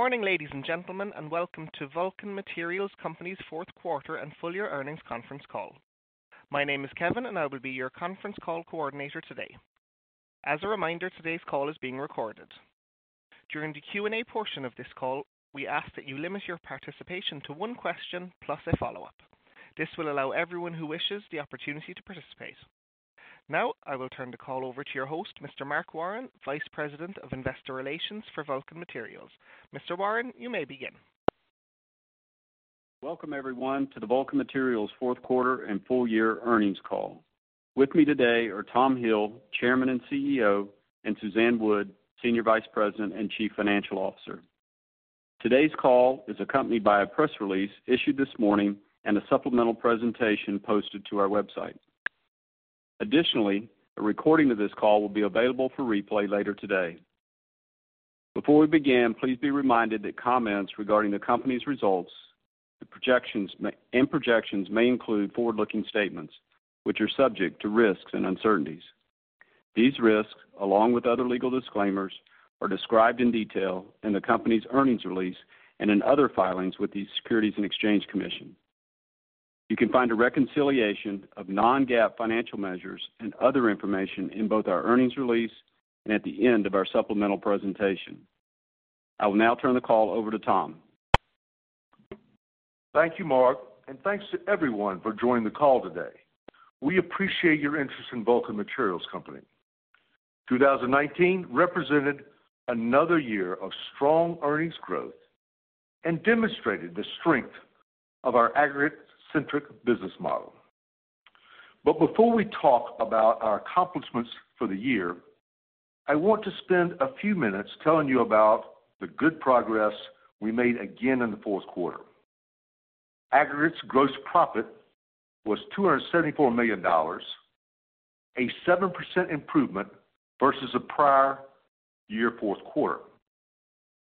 Morning, ladies and gentlemen, welcome to Vulcan Materials Company's fourth quarter and full year earnings conference call. My name is Kevin, and I will be your conference call coordinator today. As a reminder, today's call is being recorded. During the Q&A portion of this call, we ask that you limit your participation to one question plus a follow-up. This will allow everyone who wishes the opportunity to participate. Now I will turn the call over to your host, Mr. Mark Warren, Vice President of Investor Relations for Vulcan Materials. Mr. Warren, you may begin. Welcome, everyone, to the Vulcan Materials fourth quarter and full-year earnings call. With me today are Tom Hill, Chairman and CEO, and Suzanne Wood, Senior Vice President and Chief Financial Officer. Today's call is accompanied by a press release issued this morning and a supplemental presentation posted to our website. Additionally, a recording of this call will be available for replay later today. Before we begin, please be reminded that comments regarding the company's results and projections may include forward-looking statements, which are subject to risks and uncertainties. These risks, along with other legal disclaimers, are described in detail in the company's earnings release and in other filings with the Securities and Exchange Commission. You can find a reconciliation of non-GAAP financial measures and other information in both our earnings release and at the end of our supplemental presentation. I will now turn the call over to Tom. Thank you, Mark, and thanks to everyone for joining the call today. We appreciate your interest in Vulcan Materials Company. 2019 represented another year of strong earnings growth and demonstrated the strength of our Aggregate-centric business model. Before we talk about our accomplishments for the year, I want to spend a few minutes telling you about the good progress we made again in the fourth quarter. Aggregates gross profit was $274 million, a 7% improvement versus the prior year fourth quarter.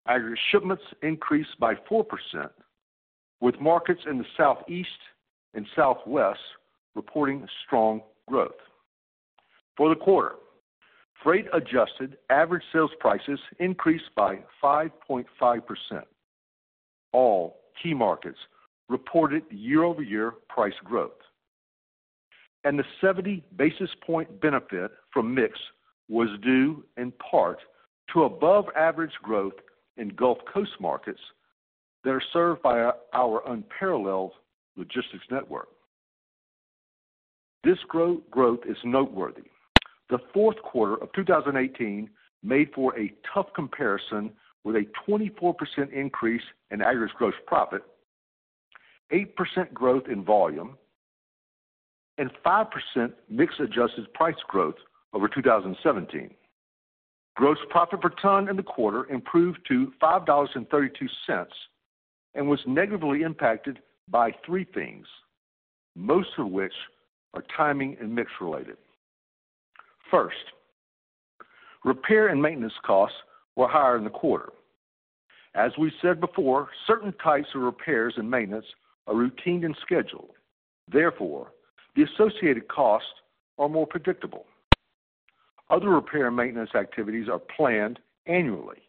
Aggregatess shipments increased by 4%, with markets in the Southeast and Southwest reporting strong growth. For the quarter, freight adjusted average sales prices increased by 5.5%. All key markets reported year-over-year price growth. The 70 basis point benefit from mix was due in part to above-average growth in Gulf Coast markets that are served by our unparalleled logistics network. This growth is noteworthy. The fourth quarter of 2018 made for a tough comparison with a 24% increase in Aggregates gross profit, 8% growth in volume, and 5% mix adjusted price growth over 2017. Gross profit per ton in the quarter improved to $5.32 and was negatively impacted by three things, most of which are timing and mix related. First, repair and maintenance costs were higher in the quarter. As we said before, certain types of repairs and maintenance are routine and scheduled. Therefore, the associated costs are more predictable. Other repair and maintenance activities are planned annually,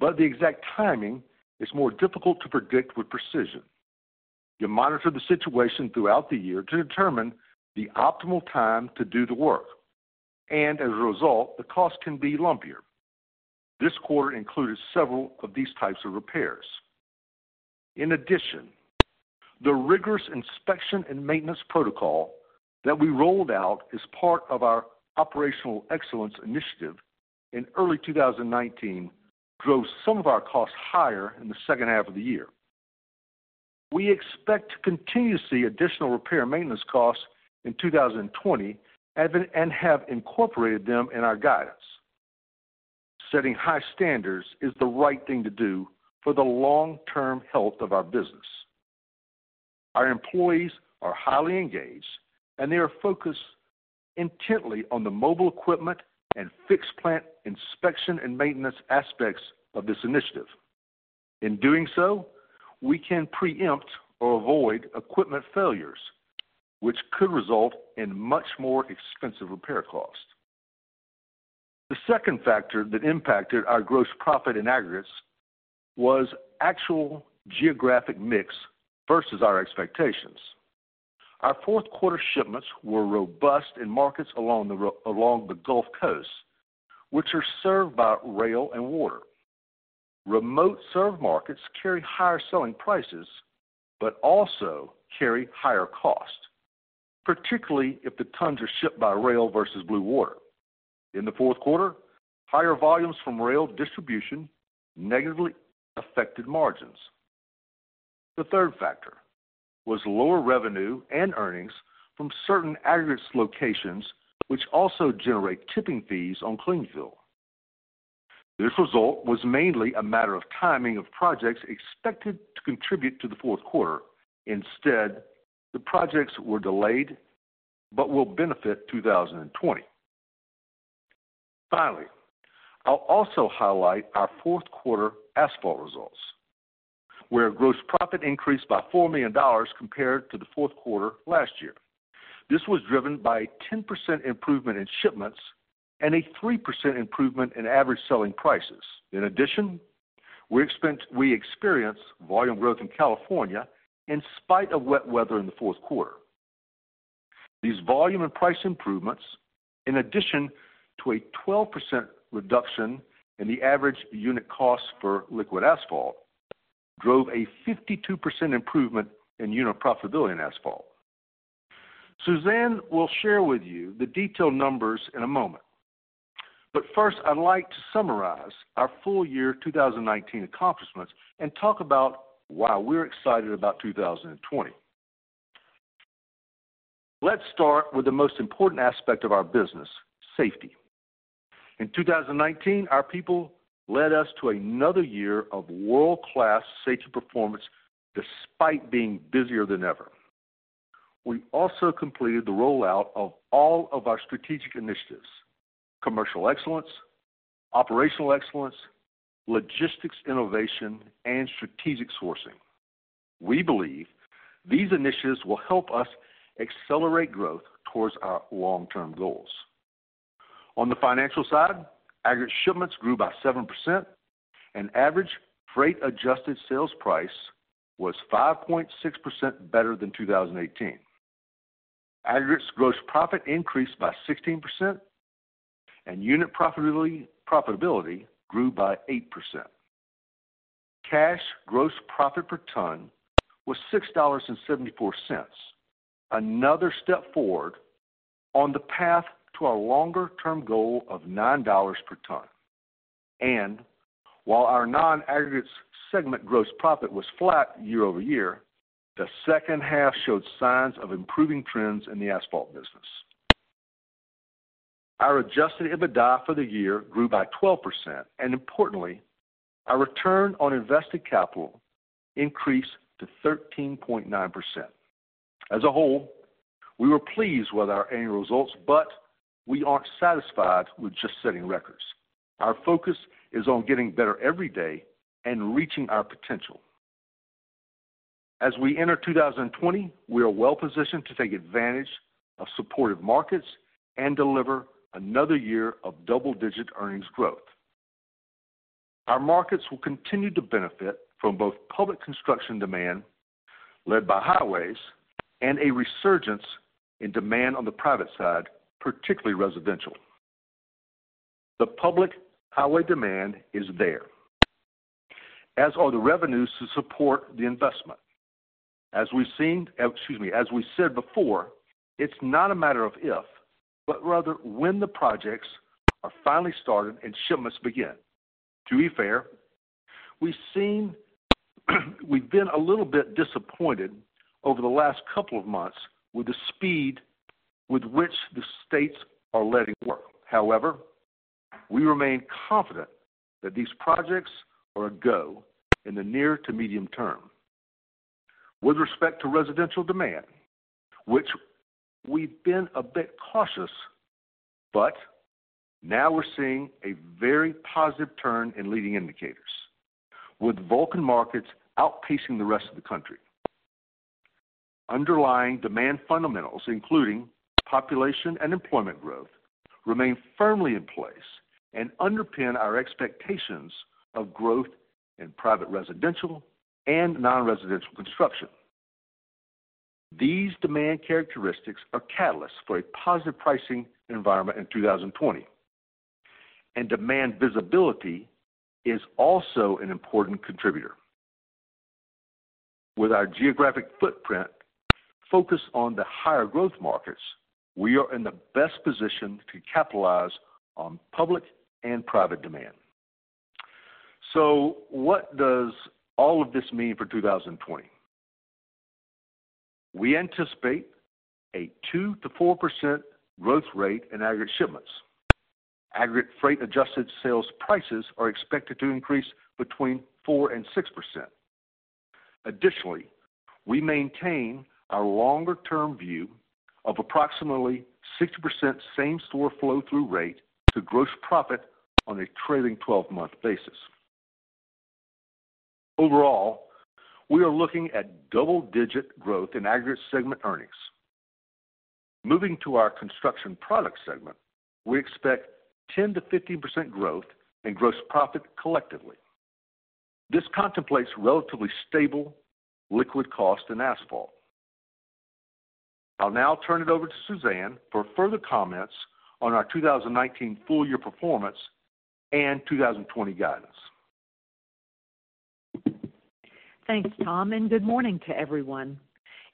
but the exact timing is more difficult to predict with precision. You monitor the situation throughout the year to determine the optimal time to do the work, and as a result, the cost can be lumpier. This quarter included several of these types of repairs. The rigorous inspection and maintenance protocol that we rolled out as part of our operational excellence initiative in early 2019 drove some of our costs higher in the second half of the year. We expect to continue to see additional repair and maintenance costs in 2020 and have incorporated them in our guidance. Setting high standards is the right thing to do for the long-term health of our business. Our employees are highly engaged, and they are focused intently on the mobile equipment and fixed plant inspection and maintenance aspects of this initiative. In doing so, we can preempt or avoid equipment failures, which could result in much more expensive repair costs. The second factor that impacted our gross profit in Aggregates was actual geographic mix versus our expectations. Our fourth quarter shipments were robust in markets along the Gulf Coast, which are served by rail and water. Remote served markets carry higher selling prices but also carry higher costs, particularly if the tons are shipped by rail versus blue water. In the fourth quarter, higher volumes from rail distribution negatively affected margins. The third factor was lower revenue and earnings from certain Aggregates locations which also generate tipping fees on clean fill. This result was mainly a matter of timing of projects expected to contribute to the fourth quarter. Instead, the projects were delayed but will benefit 2020. Finally, I'll also highlight our fourth quarter Asphalt results. Where gross profit increased by $4 million compared to the fourth quarter last year. This was driven by a 10% improvement in shipments and a 3% improvement in average selling prices. In addition, we experienced volume growth in California in spite of wet weather in the fourth quarter. These volume and price improvements, in addition to a 12% reduction in the average unit cost for liquid asphalt, drove a 52% improvement in unit profitability in Asphalt. Suzanne will share with you the detailed numbers in a moment. First, I'd like to summarize our full year 2019 accomplishments and talk about why we're excited about 2020. Let's start with the most important aspect of our business, safety. In 2019, our people led us to another year of world-class safety performance, despite being busier than ever. We also completed the rollout of all of our strategic initiatives, Commercial Excellence, Operational Excellence, Logistics Innovation, and Strategic Sourcing. We believe these initiatives will help us accelerate growth towards our long-term goals. On the financial side, Aggregates shipments grew by 7%, and average freight-adjusted sales price was 5.6% better than 2018. Aggregates gross profit increased by 16%. Unit profitability grew by 8%. Cash gross profit per ton was $6.74, another step forward on the path to our longer-term goal of $9 per ton. While our non-Aggregates segment gross profit was flat year-over-year, the second half showed signs of improving trends in the Asphalt business. Our adjusted EBITDA for the year grew by 12%, and importantly, our return on invested capital increased to 13.9%. As a whole, we were pleased with our annual results, we aren't satisfied with just setting records. Our focus is on getting better every day and reaching our potential. As we enter 2020, we are well positioned to take advantage of supportive markets and deliver another year of double-digit earnings growth. Our markets will continue to benefit from both public construction demand led by highways and a resurgence in demand on the private side, particularly residential. The public highway demand is there, as are the revenues to support the investment. As we said before, it's not a matter of if, but rather when the projects are finally started and shipments begin. To be fair, we've been a little bit disappointed over the last couple of months with the speed with which the states are letting work. However, we remain confident that these projects are a go in the near to medium term. With respect to residential demand, which we've been a bit cautious, but now we're seeing a very positive turn in leading indicators, with Vulcan markets outpacing the rest of the country. Underlying demand fundamentals, including population and employment growth, remain firmly in place and underpin our expectations of growth in private residential and non-residential construction. These demand characteristics are catalysts for a positive pricing environment in 2020, and demand visibility is also an important contributor. With our geographic footprint focused on the higher growth markets, we are in the best position to capitalize on public and private demand. What does all of this mean for 2020? We anticipate a 2%-4% growth rate in Aggregates shipments. Aggregates freight adjusted sales prices are expected to increase between 4% and 6%. Additionally, we maintain our longer-term view of approximately 60% same-store flow through rate to gross profit on a trailing 12-month basis. Overall, we are looking at double-digit growth in Aggregates segment earnings. Moving to our construction products segment, we expect 10%-15% growth in gross profit collectively. This contemplates relatively stable liquid cost and asphalt. I'll now turn it over to Suzanne for further comments on our 2019 full year performance and 2020 guidance. Thanks, Tom, and good morning to everyone.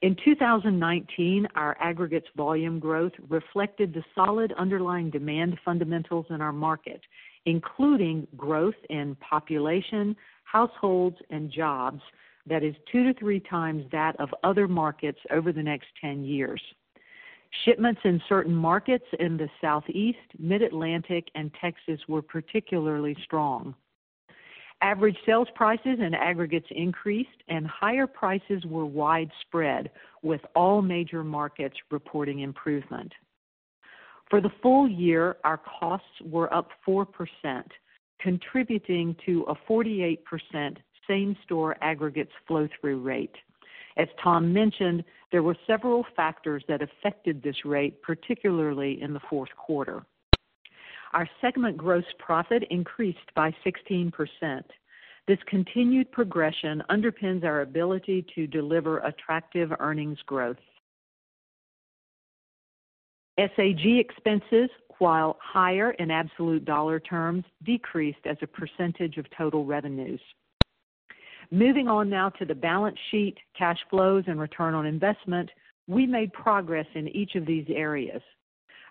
In 2019, our Aggregates volume growth reflected the solid underlying demand fundamentals in our market, including growth in population, households, and jobs that is two to three times that of other markets over the next 10 years. Shipments in certain markets in the Southeast, Mid-Atlantic, and Texas were particularly strong. Average sales prices and Aggregates increased, and higher prices were widespread, with all major markets reporting improvement. For the full year, our costs were up 4%, contributing to a 48% same-store Aggregates flow-through rate. As Tom mentioned, there were several factors that affected this rate, particularly in the fourth quarter. Our segment gross profit increased by 16%. This continued progression underpins our ability to deliver attractive earnings growth. SG&A expenses, while higher in absolute dollar terms, decreased as a percentage of total revenues. Moving on now to the balance sheet, cash flows, and return on investment, we made progress in each of these areas.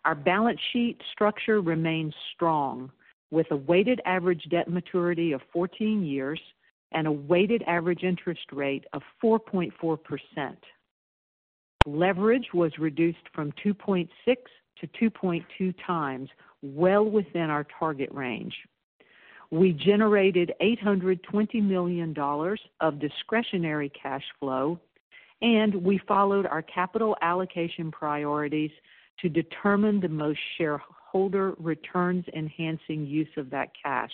Our balance sheet structure remains strong, with a weighted average debt maturity of 14 years and a weighted average interest rate of 4.4%. Leverage was reduced from 2.6x to 2.2x, well within our target range. We generated $820 million of discretionary cash flow, and we followed our capital allocation priorities to determine the most shareholder returns-enhancing use of that cash.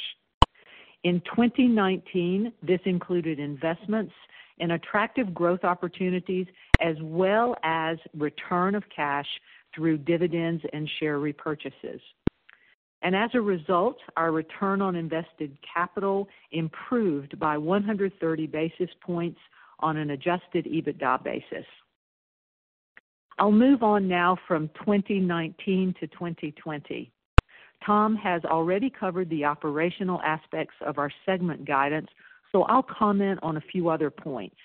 In 2019, this included investments in attractive growth opportunities as well as return of cash through dividends and share repurchases. As a result, our return on invested capital improved by 130 basis points on an adjusted EBITDA basis. I'll move on now from 2019 to 2020. Tom has already covered the operational aspects of our segment guidance, so I'll comment on a few other points.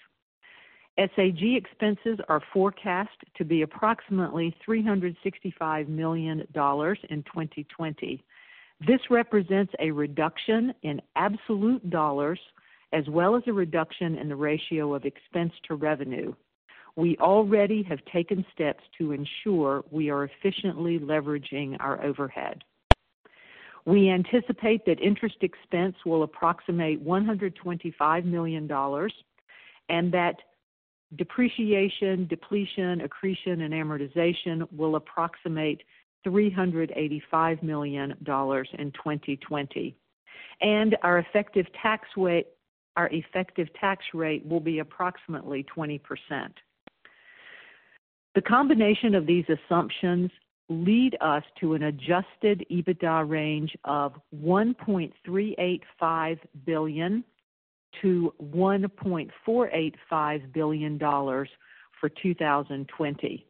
SG&A expenses are forecast to be approximately $365 million in 2020. This represents a reduction in absolute dollars as well as a reduction in the ratio of expense to revenue. We already have taken steps to ensure we are efficiently leveraging our overhead. We anticipate that interest expense will approximate $125 million and that depreciation, depletion, accretion, and amortization will approximate $385 million in 2020. Our effective tax rate will be approximately 20%. The combination of these assumptions leads us to an adjusted EBITDA range of $1.385 billion-$1.485 billion for 2020.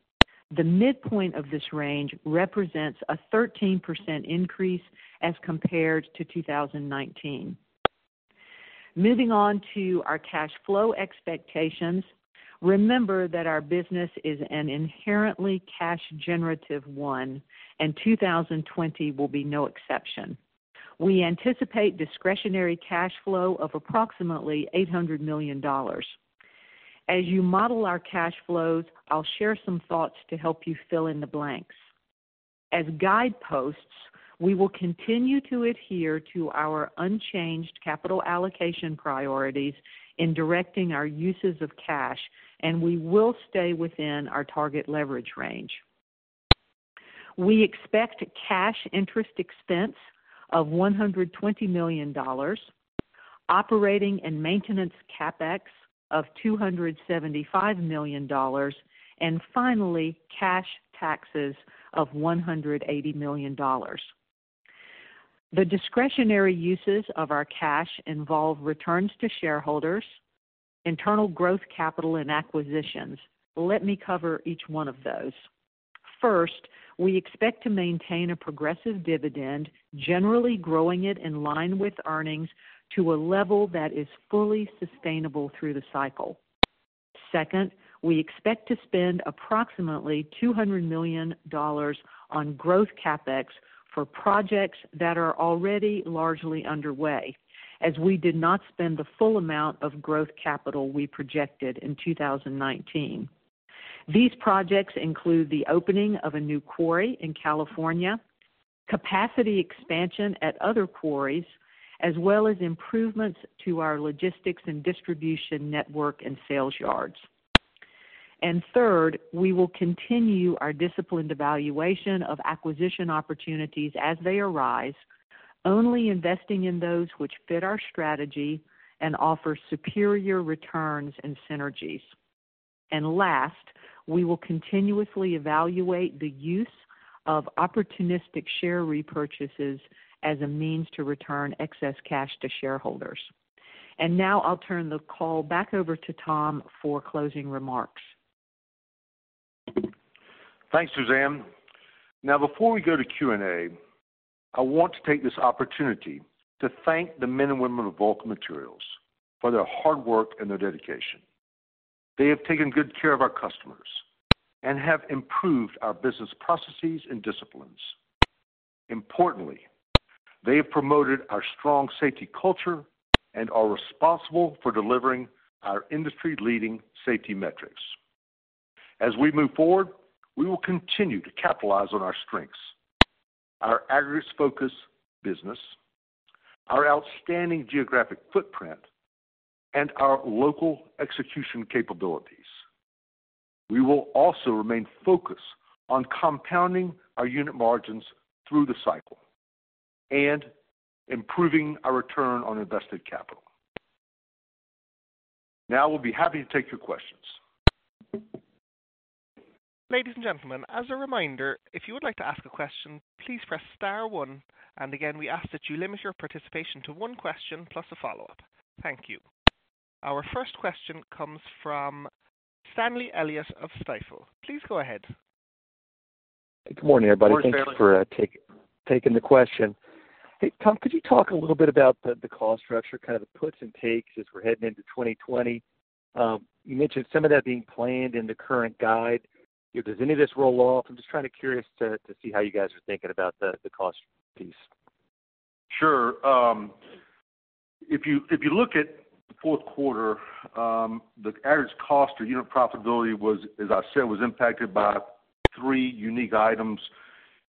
The midpoint of this range represents a 13% increase as compared to 2019. Moving on to our cash flow expectations, remember that our business is an inherently cash-generative one, and 2020 will be no exception. We anticipate discretionary cash flow of approximately $800 million. As you model our cash flows, I'll share some thoughts to help you fill in the blanks. As guideposts, we will continue to adhere to our unchanged capital allocation priorities in directing our uses of cash, and we will stay within our target leverage range. We expect cash interest expense of $120 million, operating and maintenance CapEx of $275 million, and finally, cash taxes of $180 million. The discretionary uses of our cash involve returns to shareholders, internal growth capital, and acquisitions. Let me cover each one of those. First, we expect to maintain a progressive dividend, generally growing it in line with earnings to a level that is fully sustainable through the cycle. Second, we expect to spend approximately $200 million on growth CapEx for projects that are already largely underway, as we did not spend the full amount of growth capital we projected in 2019. These projects include the opening of a new quarry in California, capacity expansion at other quarries, as well as improvements to our logistics and distribution network and sales yards. Third, we will continue our disciplined evaluation of acquisition opportunities as they arise, only investing in those which fit our strategy and offer superior returns and synergies. Last, we will continuously evaluate the use of opportunistic share repurchases as a means to return excess cash to shareholders. Now I'll turn the call back over to Tom for closing remarks. Thanks, Suzanne. Before we go to Q&A, I want to take this opportunity to thank the men and women of Vulcan Materials for their hard work and their dedication. They have taken good care of our customers and have improved our business processes and disciplines. Importantly, they have promoted our strong safety culture and are responsible for delivering our industry-leading safety metrics. As we move forward, we will continue to capitalize on our strengths, our Aggregates-focused business, our outstanding geographic footprint and our local execution capabilities. We will also remain focused on compounding our unit margins through the cycle and improving our return on invested capital. We'll be happy to take your questions. Ladies and gentlemen, as a reminder, if you would like to ask a question, please press star one. Again, we ask that you limit your participation to one question plus a follow-up. Thank you. Our first question comes from Stanley Elliott of Stifel. Please go ahead. Good morning, everybody. Morning, Stanley. Thanks for taking the question. Hey, Tom, could you talk a little bit about the cost structure, kind of the puts and takes as we're heading into 2020? You mentioned some of that being planned in the current guide. Does any of this roll off? I'm just kind of curious to see how you guys are thinking about the cost piece. Sure. If you look at the fourth quarter, the average cost or unit profitability, as I said, was impacted by three unique items,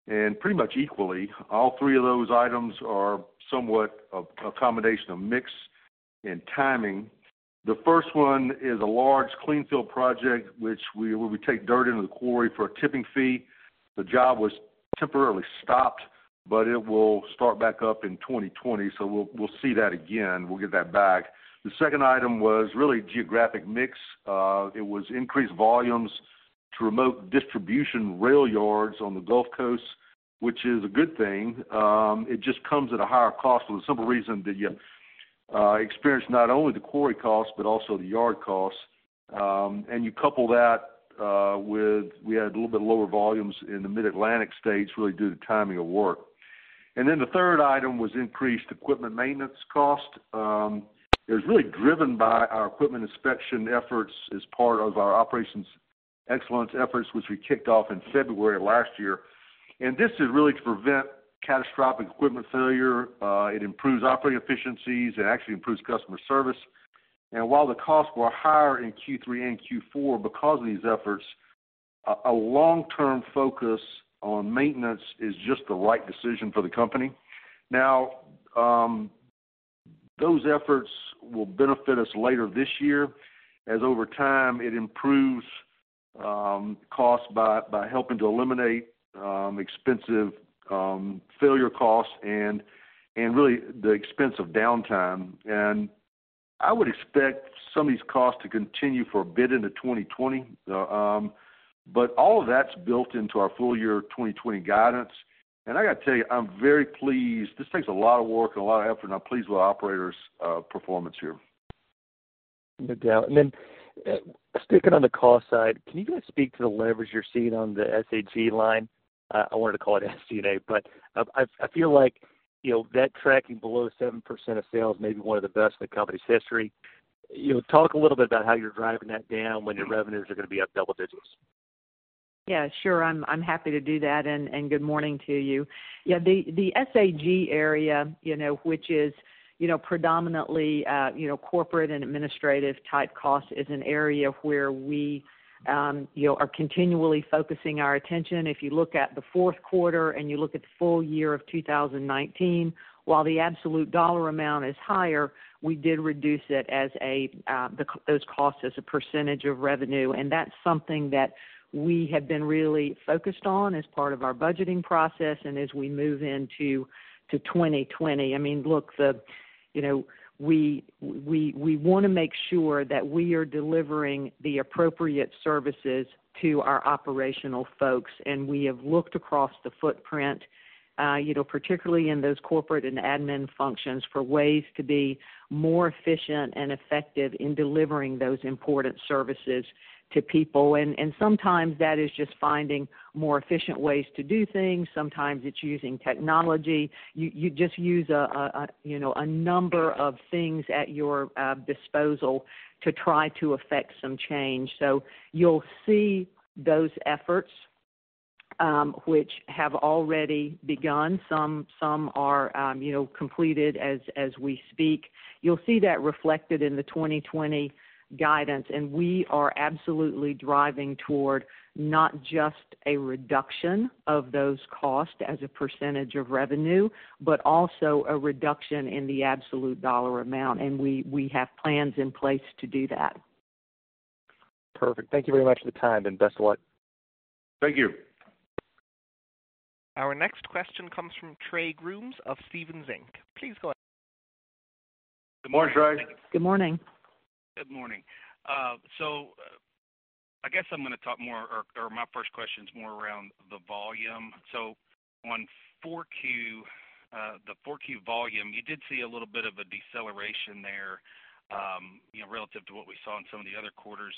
and pretty much equally. All three of those items are somewhat a combination of mix and timing. The first one is a large clean fill project, where we take dirt into the quarry for a tipping fee. The job was temporarily stopped, but it will start back up in 2020, so we'll see that again. We'll get that back. The second item was really geographic mix. It was increased volumes to remote distribution rail yards on the Gulf Coast, which is a good thing. It just comes at a higher cost for the simple reason that you experience not only the quarry cost but also the yard cost. You couple that with, we had a little bit lower volumes in the Mid-Atlantic states, really due to the timing of work. The third item was increased equipment maintenance cost. It was really driven by our equipment inspection efforts as part of our operations excellence efforts, which we kicked off in February of last year. This is really to prevent catastrophic equipment failure. It improves operating efficiencies. It actually improves customer service. While the costs were higher in Q3 and Q4 because of these efforts, a long-term focus on maintenance is just the right decision for the company. Those efforts will benefit us later this year, as over time, it improves costs by helping to eliminate expensive failure costs and really the expense of downtime. I would expect some of these costs to continue for a bit into 2020. All of that's built into our full year 2020 guidance. I got to tell you, I'm very pleased. This takes a lot of work and a lot of effort, and I'm pleased with our operators' performance here. No doubt. Then sticking on the cost side, can you guys speak to the leverage you're seeing on the SAG line? I wanted to call it SG&A, but I feel like that tracking below 7% of sales may be one of the best in the company's history. Talk a little bit about how you're driving that down when your revenues are going to be up double digits. Yeah, sure. I'm happy to do that. Good morning to you. The SAG area, which is predominantly corporate and administrative type cost, is an area where we are continually focusing our attention. If you look at the fourth quarter and you look at the full year of 2019, while the absolute dollar amount is higher, we did reduce those costs as a percentage of revenue. That's something that we have been really focused on as part of our budgeting process as we move into 2020. Look, we want to make sure that we are delivering the appropriate services to our operational folks. We have looked across the footprint, particularly in those corporate and admin functions, for ways to be more efficient and effective in delivering those important services to people. Sometimes that is just finding more efficient ways to do things. Sometimes it's using technology. You just use a number of things at your disposal to try to effect some change. You'll see those efforts, which have already begun. Some are completed as we speak. You'll see that reflected in the 2020 guidance, we are absolutely driving toward not just a reduction of those costs as a percentage of revenue, but also a reduction in the absolute dollar amount, and we have plans in place to do that. Perfect. Thank you very much for the time, and best of luck. Thank you. Our next question comes from Trey Grooms of Stephens Inc. Please go ahead. Good morning, Trey. Good morning. Good morning. I guess my first question's more around the volume. On the 4Q volume, you did see a little bit of a deceleration there, relative to what we saw in some of the other quarters.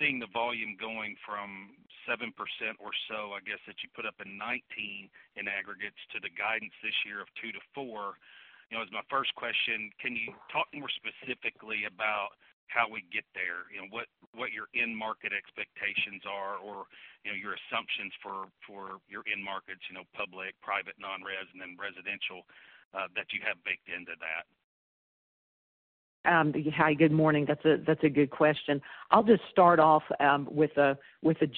Seeing the volume going from 7% or so, I guess, that you put up in 2019 in Aggregates to the guidance this year of 2%-4%, as my first question, can you talk more specifically about how we get there? What your end market expectations are or your assumptions for your end markets, public, private, non-res, and then residential, that you have baked into that? Hi, good morning. That's a good question. I'll just start off with a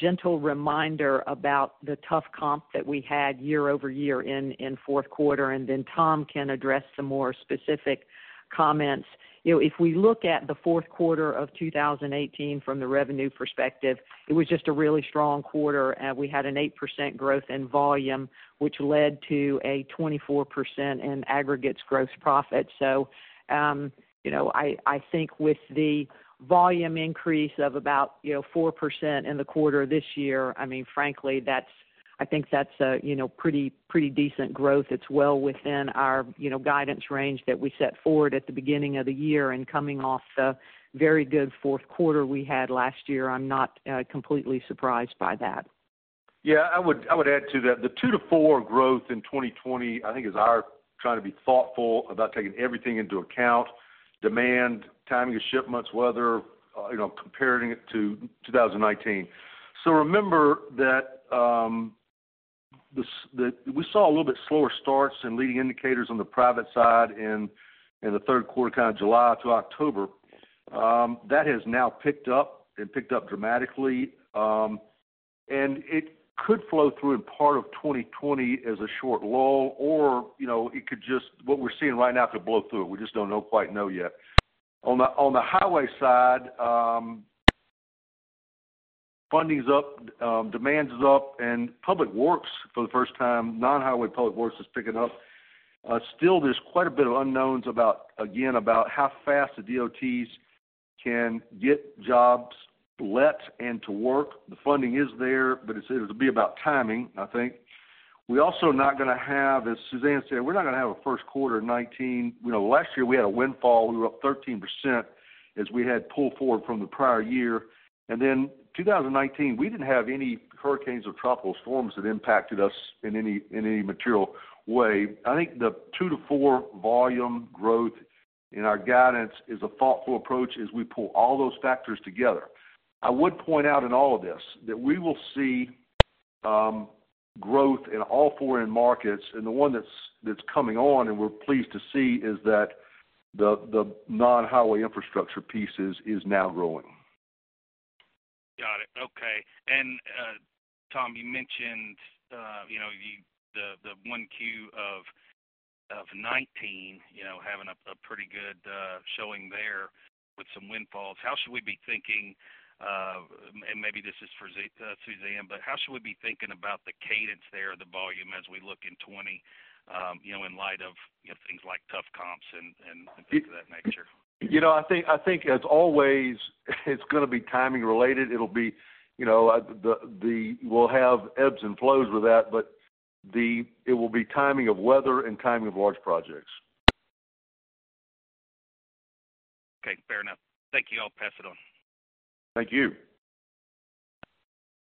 gentle reminder about the tough comp that we had year-over-year in fourth quarter, and then Tom can address some more specific comments. If we look at the fourth quarter of 2018 from the revenue perspective, it was just a really strong quarter. We had an 8% growth in volume, which led to a 24% in Aggregates gross profit. I think with the volume increase of about 4% in the quarter this year, frankly, I think that's a pretty decent growth. It's well within our guidance range that we set forward at the beginning of the year and coming off the very good fourth quarter we had last year. I'm not completely surprised by that. Yeah, I would add to that. The 2%-4% growth in 2020, I think, is our trying to be thoughtful about taking everything into account, demand, timing of shipments, weather, comparing it to 2019. Remember that we saw a little bit slower starts in leading indicators on the private side in the third quarter, kind of July to October. That has now picked up and picked up dramatically. It could flow through in part of 2020 as a short lull, or it could just, what we're seeing right now, could blow through it. We just don't quite know yet. On the highway side, funding's up, demand is up, and public works for the first time, non-highway public works is picking up. Still, there's quite a bit of unknowns about, again, about how fast the DOTs can get jobs let and to work. The funding is there, it'll be about timing, I think. We're also not going to have, as Suzanne said, we're not going to have a first quarter of 2019. Last year we had a windfall. We were up 13% as we had pull forward from the prior year. 2019, we didn't have any hurricanes or tropical storms that impacted us in any material way. I think the two to four volume growth in our guidance is a thoughtful approach as we pull all those factors together. I would point out in all of this that we will see growth in all four end markets, and the one that's coming on and we're pleased to see is that the non-highway infrastructure pieces is now growing. Got it. Okay. Tom, you mentioned the 1Q of 2019, having a pretty good showing there with some windfalls. How should we be thinking of, and maybe this is for Suzanne, but how should we be thinking about the cadence there, the volume as we look in 2020, in light of things like tough comps and things of that nature? I think, as always, it's going to be timing-related. We'll have ebbs and flows with that, but it will be timing of weather and timing of large projects. Okay, fair enough. Thank you. I'll pass it on. Thank you.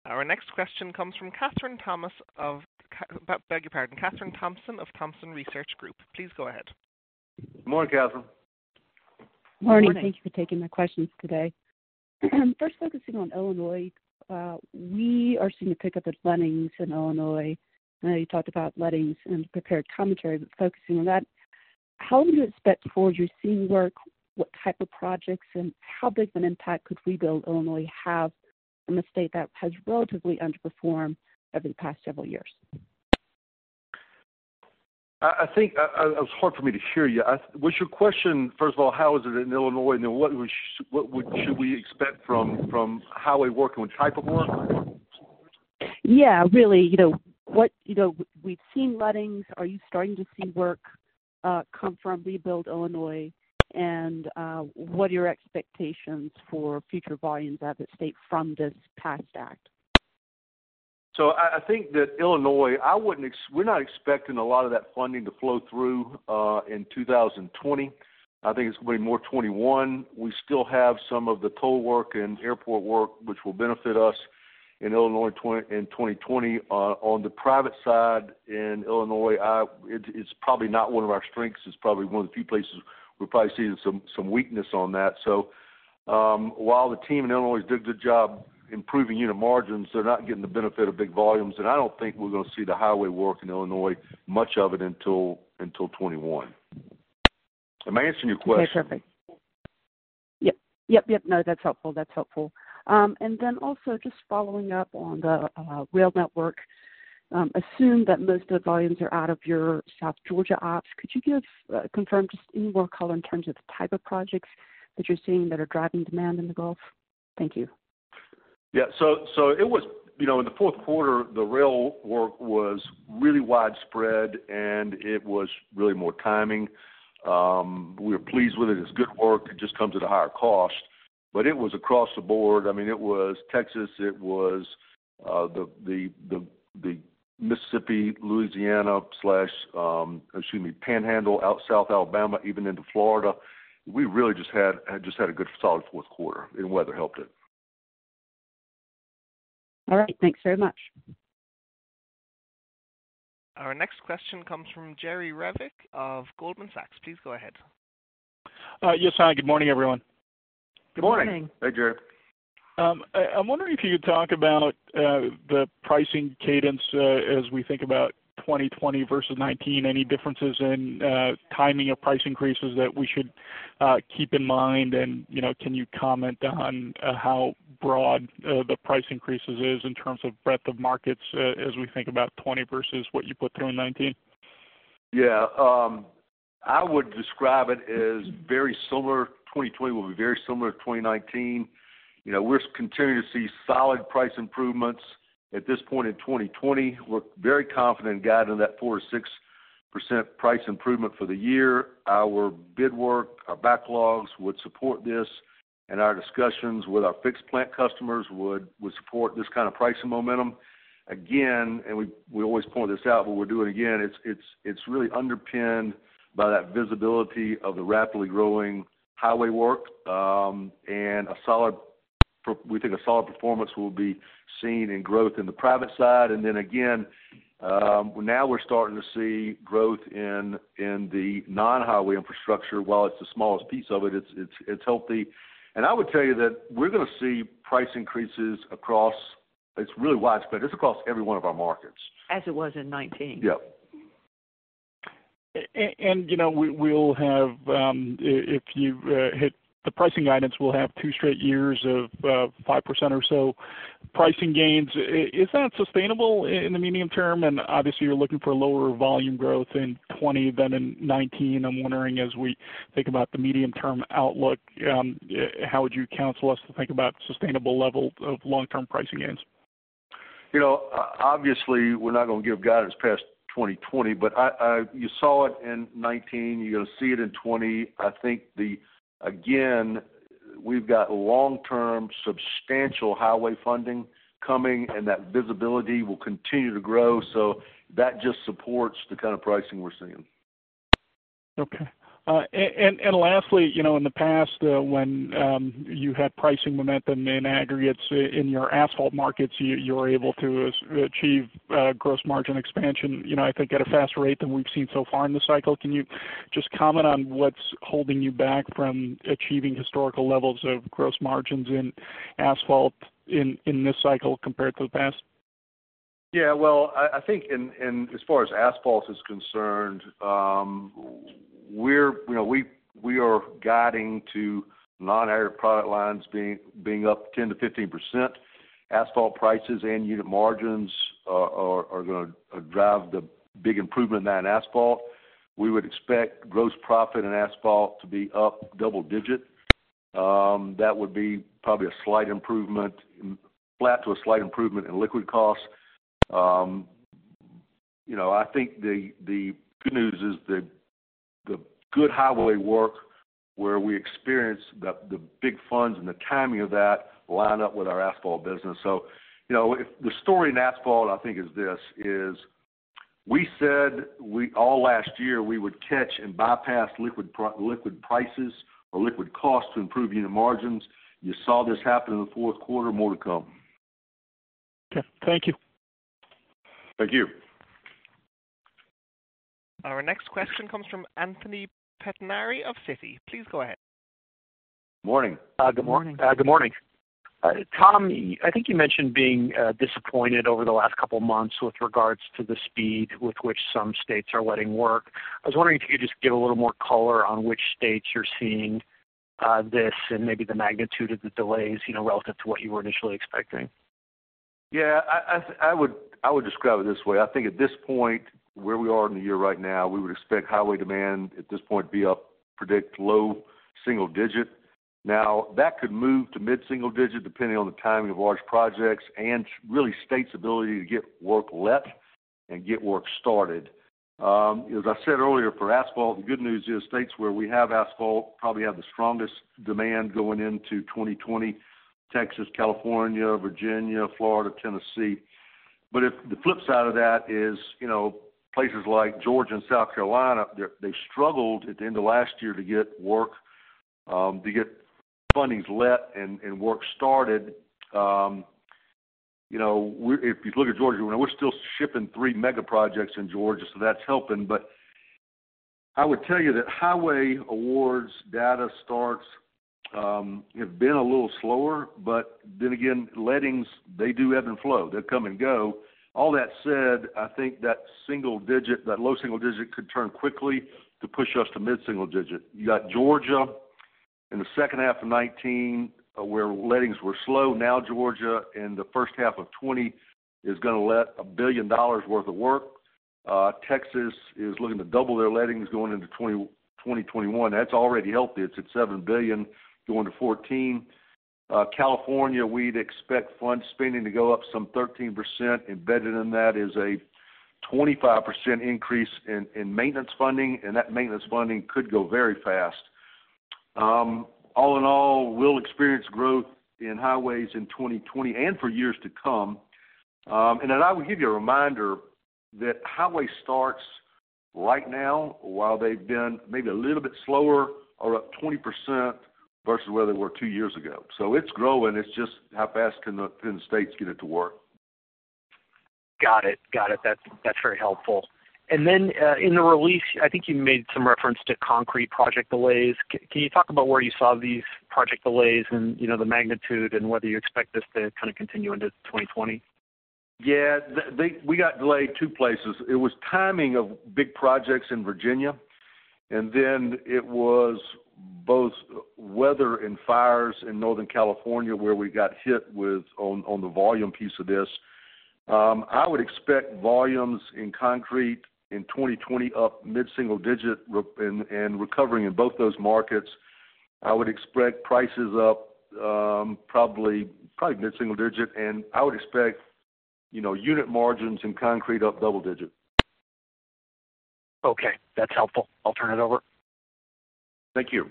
Our next question comes from Kathryn Thompson of Thompson Research Group. Please go ahead. Good morning, Kathryn. Good morning. Morning. Thank you for taking my questions today. First focusing on Illinois, we are seeing a pickup in lettings in Illinois. I know you talked about lettings in the prepared commentary, but focusing on that, how would you expect towards your seeing work, what type of projects, and how big of an impact could Rebuild Illinois have in the state that has relatively underperformed over the past several years? It was hard for me to hear you. Was your question, first of all, how is it in Illinois, and then what should we expect from highway work and what type of work? Yeah, really. We've seen lettings. Are you starting to see work come from Rebuild Illinois, and what are your expectations for future volumes out of the state from this passed act? I think that Illinois, we're not expecting a lot of that funding to flow through, in 2020. I think it's going to be more 2021. We still have some of the toll work and airport work, which will benefit us in Illinois in 2020. On the private side in Illinois, it's probably not one of our strengths. It's probably one of the few places we're probably seeing some weakness on that. While the team in Illinois did a good job improving unit margins, they're not getting the benefit of big volumes, and I don't think we're going to see the highway work in Illinois, much of it until 2021. Am I answering your question? Okay, perfect. Yep. No, that's helpful. Also, just following up on the rail network. Assume that most of the volumes are out of your South Georgia ops. Could you confirm just any more color in terms of the type of projects that you're seeing that are driving demand in the Gulf? Thank you. Yeah. In the fourth quarter, the rail work was really widespread, and it was really more timing. We were pleased with it. It's good work. It just comes at a higher cost. It was across the board. It was Texas. It was the Mississippi, Louisiana/assuming Panhandle out South Alabama, even into Florida. We really just had a good solid fourth quarter, and weather helped it. All right. Thanks very much. Our next question comes from Jerry Revich of Goldman Sachs. Please go ahead. Yes. Hi, good morning everyone. Good morning. Hey, Jerry. I'm wondering if you could talk about the pricing cadence as we think about 2020 versus 2019. Any differences in timing of price increases that we should keep in mind? Can you comment on how broad the price increases is in terms of breadth of markets as we think about 2020 versus what you put through in 2019? Yeah. I would describe it as very similar. 2020 will be very similar to 2019. We're continuing to see solid price improvements. At this point in 2020, we're very confident guiding that 4%-6% price improvement for the year. Our bid work, our backlogs would support this, and our discussions with our fixed plant customers would support this kind of pricing momentum. Again, and we always point this out, but we'll do it again. It's really underpinned by that visibility of the rapidly growing highway work. We think a solid performance will be seen in growth in the private side. Again, now we're starting to see growth in the non-highway infrastructure. While it's the smallest piece of it's healthy. I would tell you that we're going to see price increases across. It's really widespread. It's across every one of our markets. As it was in 2019. Yep. If you hit the pricing guidance, we'll have two straight years of 5% or so pricing gains. Is that sustainable in the medium term? Obviously, you're looking for lower volume growth in 2020 than in 2019. I'm wondering, as we think about the medium-term outlook, how would you counsel us to think about sustainable level of long-term pricing gains? Obviously, we're not going to give guidance past 2020. You saw it in 2019, you're going to see it in 2020. I think, again, we've got long-term, substantial highway funding coming, and that visibility will continue to grow. That just supports the kind of pricing we're seeing. Okay. Lastly, in the past when you had pricing momentum in Aggregates in your Asphalt markets, you were able to achieve gross margin expansion, I think, at a faster rate than we've seen so far in the cycle. Can you just comment on what's holding you back from achieving historical levels of gross margins in Asphalt in this cycle compared to the past? Well, I think as far as Asphalt is concerned, we are guiding to non-Agg product lines being up 10%-15%. Asphalt prices and unit margins are going to drive the big improvement in that Asphalt. We would expect gross profit in Asphalt to be up double digit. That would be probably flat to a slight improvement in liquid costs. I think the good news is the good highway work where we experience the big funds and the timing of that line up with our Asphalt business. The story in Asphalt I think is this, is we said all last year, we would catch and bypass liquid prices or liquid cost to improve unit margins. You saw this happen in the fourth quarter. More to come. Okay. Thank you. Thank you. Our next question comes from Anthony Pettinari of Citi. Please go ahead. Morning. Good morning. Good morning. Tom, I think you mentioned being disappointed over the last couple of months with regards to the speed with which some states are letting work. I was wondering if you could just give a little more color on which states you're seeing this and maybe the magnitude of the delays relative to what you were initially expecting. Yeah. I would describe it this way. I think at this point, where we are in the year right now, we would expect highway demand at this point be up, predict low single digit. That could move to mid-single digit, depending on the timing of large projects and really state's ability to get work let and get work started. As I said earlier, for Asphalt, the good news is states where we have asphalt probably have the strongest demand going into 2020: Texas, California, Virginia, Florida, Tennessee. The flip side of that is places like Georgia and South Carolina, they struggled at the end of last year to get projects let and work started. If you look at Georgia, we're still shipping three mega projects in Georgia, so that's helping. I would tell you that highway awards data starts have been a little slower, but then again, lettings, they do ebb and flow. They come and go. All that said, I think that low single digit could turn quickly to push us to mid-single digit. You got Georgia in the second half of 2019, where lettings were slow. Now Georgia in the first half of 2020 is going to let $1 billion worth of work. Texas is looking to double their lettings going into 2021. That's already healthy. It's at $7 billion, going to $14 billion. California, we'd expect fund spending to go up some 13%. Embedded in that is a 25% increase in maintenance funding, and that maintenance funding could go very fast. All in all, we'll experience growth in highways in 2020 and for years to come. I would give you a reminder that highway starts right now, while they've been maybe a little bit slower, are up 20% versus where they were two years ago. It's growing. It's just how fast can the states get it to work? Got it. That's very helpful. Then, in the release, I think you made some reference to Concrete project delays. Can you talk about where you saw these project delays and the magnitude and whether you expect this to kind of continue into 2020? Yeah. We got delayed two places. It was timing of big projects in Virginia, and then it was both weather and fires in Northern California where we got hit with on the volume piece of this. I would expect volumes in Concrete in 2020 up mid-single digit and recovering in both those markets. I would expect prices up, probably mid-single digit, and I would expect unit margins in Concrete up double digit. Okay, that's helpful. I'll turn it over. Thank you.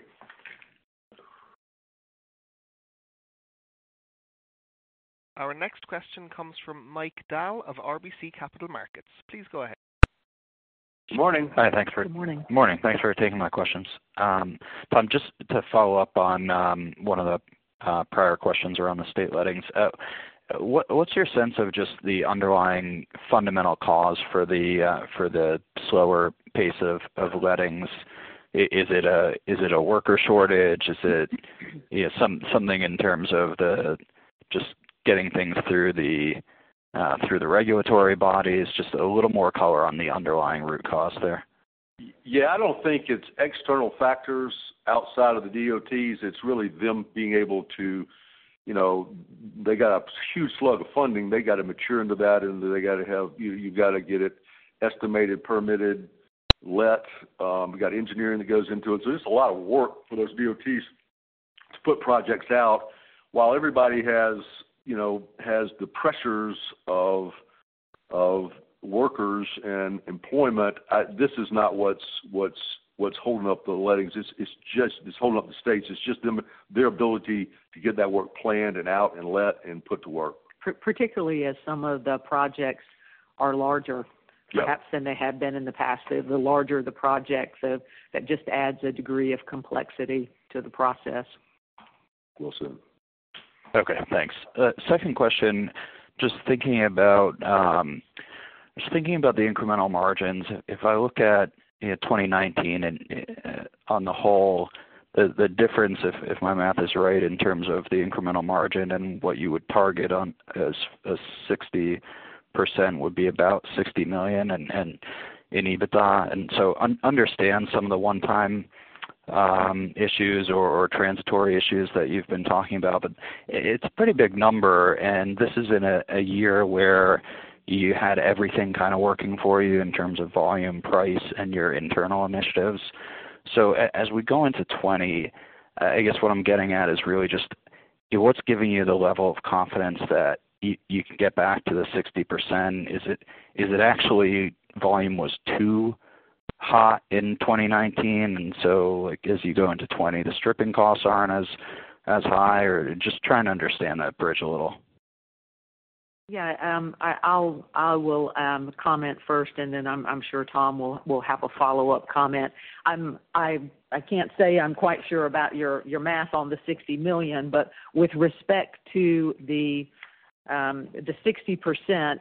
Our next question comes from Mike Dahl of RBC Capital Markets. Please go ahead. Morning. Hi. Good morning. Morning. Thanks for taking my questions. Tom, just to follow up on one of the prior questions around the state lettings. What's your sense of just the underlying fundamental cause for the slower pace of lettings? Is it a worker shortage? Is it something in terms of the just getting things through the regulatory bodies? Just a little more color on the underlying root cause there. Yeah, I don't think it's external factors outside of the DOTs. It's really them being able to. They got a huge slug of funding. They got to mature into that. You got to get it estimated, permitted, let. We got engineering that goes into it. There's a lot of work for those DOTs to put projects out while everybody has the pressures of workers and employment. This is not what's holding up the lettings. It's just what's holding up the states. It's just their ability to get that work planned and out and let and put to work. Particularly as some of the projects are larger. Yeah perhaps than they have been in the past. The larger the projects, that just adds a degree of complexity to the process. Well said. Okay, thanks. Second question, just thinking about the incremental margins. If I look at 2019 and on the whole, the difference, if my math is right in terms of the incremental margin and what you would target on as a 60% would be about $60 million in EBITDA. Understand some of the one-time issues or transitory issues that you've been talking about, but it's a pretty big number, and this is in a year where you had everything kind of working for you in terms of volume, price, and your internal initiatives. As we go into 2020, I guess what I'm getting at is really just what's giving you the level of confidence that you can get back to the 60%? Is it actually volume was too hot in 2019, as you go into 2020, the stripping costs aren't as high, or just trying to understand that bridge a little? Yeah, I will comment first, and then I'm sure Tom will have a follow-up comment. I can't say I'm quite sure about your math on the $60 million. With respect to the 60%,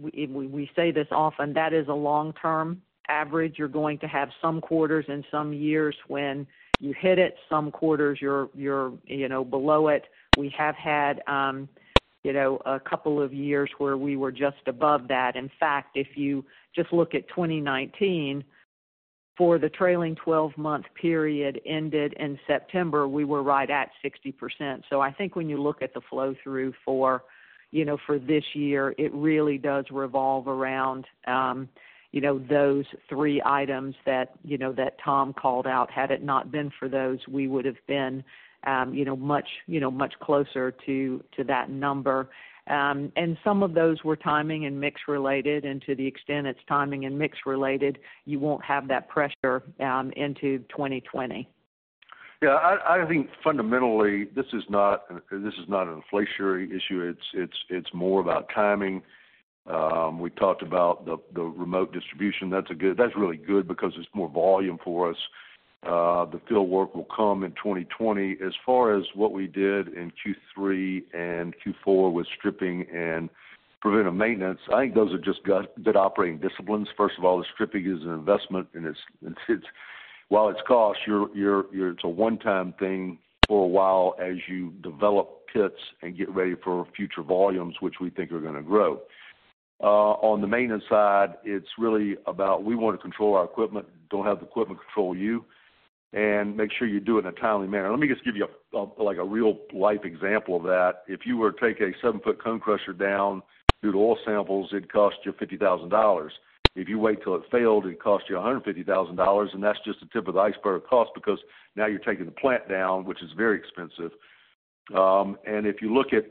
we say this often, that is a long-term average. You're going to have some quarters and some years when you hit it, some quarters you're below it. We have had a couple of years where we were just above that. In fact, if you just look at 2019 for the trailing 12-month period ended in September, we were right at 60%. I think when you look at the flow-through for this year, it really does revolve around those three items that Tom called out. Had it not been for those, we would've been much closer to that number. Some of those were timing and mix related, and to the extent it's timing and mix related, you won't have that pressure into 2020. Yeah, I think fundamentally, this is not an inflationary issue. It's more about timing. We talked about the remote distribution. That's really good because it's more volume for us. The field work will come in 2020. As far as what we did in Q3 and Q4 with stripping and preventive maintenance, I think those are just good operating disciplines. First of all, the stripping is an investment, and while it's cost, it's a one-time thing for a while as you develop pits and get ready for future volumes, which we think are going to grow. On the maintenance side, it's really about we want to control our equipment, don't have the equipment control you, and make sure you do it in a timely manner. Let me just give you a real-life example of that. If you were to take a 7 ft cone crusher down, do the oil samples, it'd cost you $50,000. If you wait till it failed, it'd cost you $150,000, that's just the tip of the iceberg of cost because now you're taking the plant down, which is very expensive. If you look at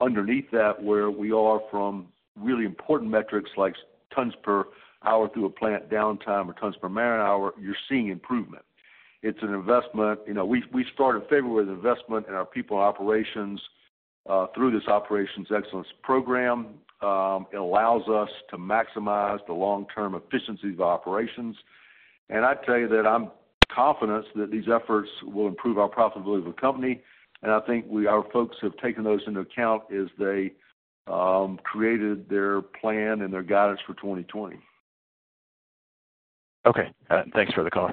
underneath that, where we are from really important metrics like tons per hour through a plant downtime or tons per man-hour, you're seeing improvement. It's an investment. We started February with an investment in our people operations, through this Operations Excellence program. It allows us to maximize the long-term efficiency of operations. I'd tell you that I'm confident that these efforts will improve our profitability of the company, and I think our folks have taken those into account as they created their plan and their guidance for 2020. Okay. Thanks for the call.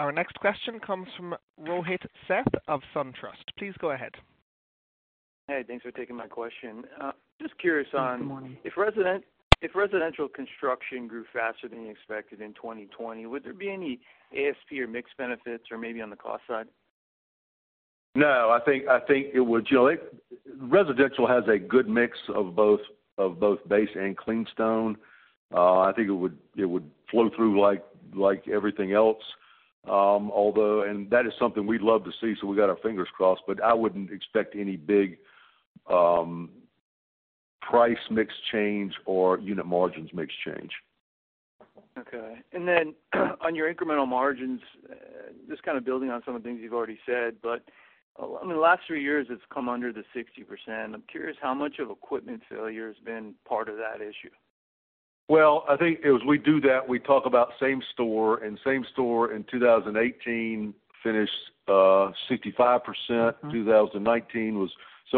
Our next question comes from Rohit Seth of SunTrust. Please go ahead. Hey, thanks for taking my question. Thanks, Rohit. If residential construction grew faster than you expected in 2020, would there be any ASP or mix benefits or maybe on the cost side? No, residential has a good mix of both base and clean stone. I think it would flow through like everything else. Although, and that is something we'd love to see, so we've got our fingers crossed, but I wouldn't expect any big price mix change or unit margins mix change. Okay. On your incremental margins, just kind of building on some of the things you've already said, but in the last three years, it's come under the 60%. I'm curious how much of equipment failure has been part of that issue. Well, I think as we do that, we talk about same store. Same store in 2018 finished 65%.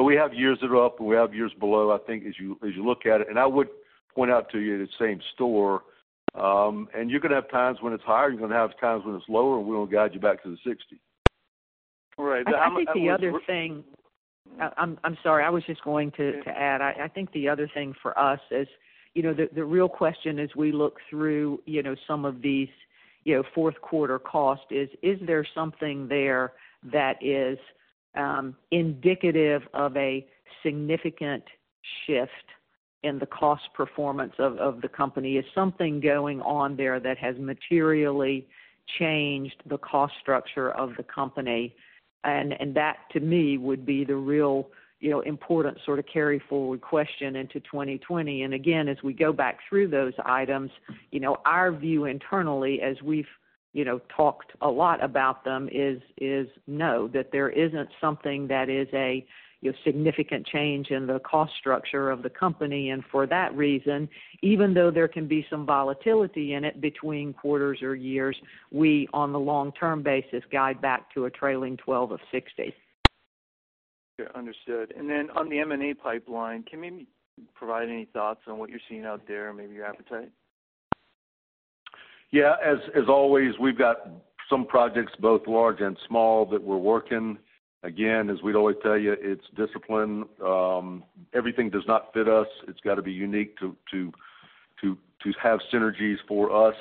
We have years that are up, and we have years below, I think, as you look at it. I would point out to you, the same store, you're going to have times when it's higher, you're going to have times when it's lower, we're going to guide you back to the 60%. Right. I'm sorry, I was just going to add. I think the other thing for us is, the real question as we look through some of these fourth quarter costs is there something there that is indicative of a significant shift in the cost performance of the company? Is something going on there that has materially changed the cost structure of the company? That to me would be the real important sort of carry forward question into 2020. Again, as we go back through those items, our view internally as we've talked a lot about them is, no, that there isn't something that is a significant change in the cost structure of the company. For that reason, even though there can be some volatility in it between quarters or years, we on the long-term basis guide back to a trailing 12 of 60%. Okay. Understood. On the M&A pipeline, can we provide any thoughts on what you're seeing out there and maybe your appetite? Yeah. As always, we've got some projects, both large and small, that we're working. Again, as we'd always tell you, it's discipline. Everything does not fit us. It's got to be unique to have synergies for us,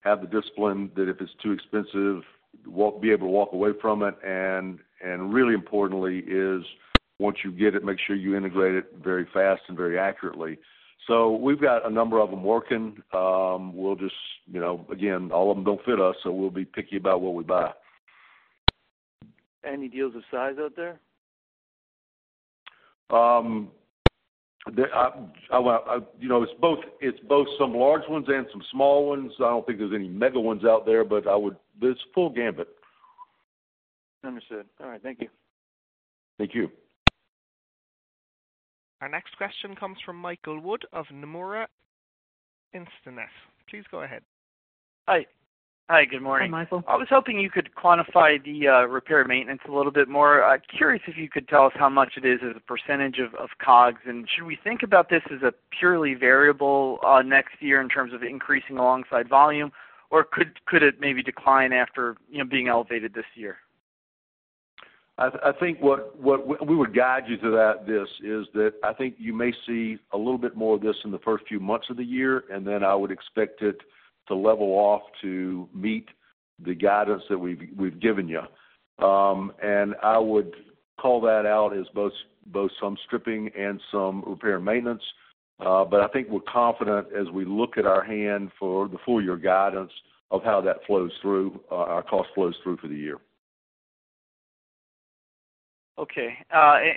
have the discipline that if it's too expensive, be able to walk away from it. Really importantly is once you get it, make sure you integrate it very fast and very accurately. We've got a number of them working. Again, all of them don't fit us, so we'll be picky about what we buy. Any deals of size out there? It's both some large ones and some small ones. I don't think there's any mega ones out there, but it's full gamut. Understood. All right. Thank you. Thank you. Our next question comes from Michael Wood of Nomura Instinet. Please go ahead. Hi. Good morning. Hi, Michael. I was hoping you could quantify the repair maintenance a little bit more. Curious if you could tell us how much it is as a percentage of COGS, should we think about this as a purely variable next year in terms of increasing alongside volume? Could it maybe decline after being elevated this year? I think what we would guide you to is that I think you may see a little bit more of this in the first few months of the year, then I would expect it to level off to meet the guidance that we've given you. I would call that out as both some stripping and some repair and maintenance. I think we're confident as we look at our hand for the full year guidance of how that flows through, our cost flows through for the year. Okay.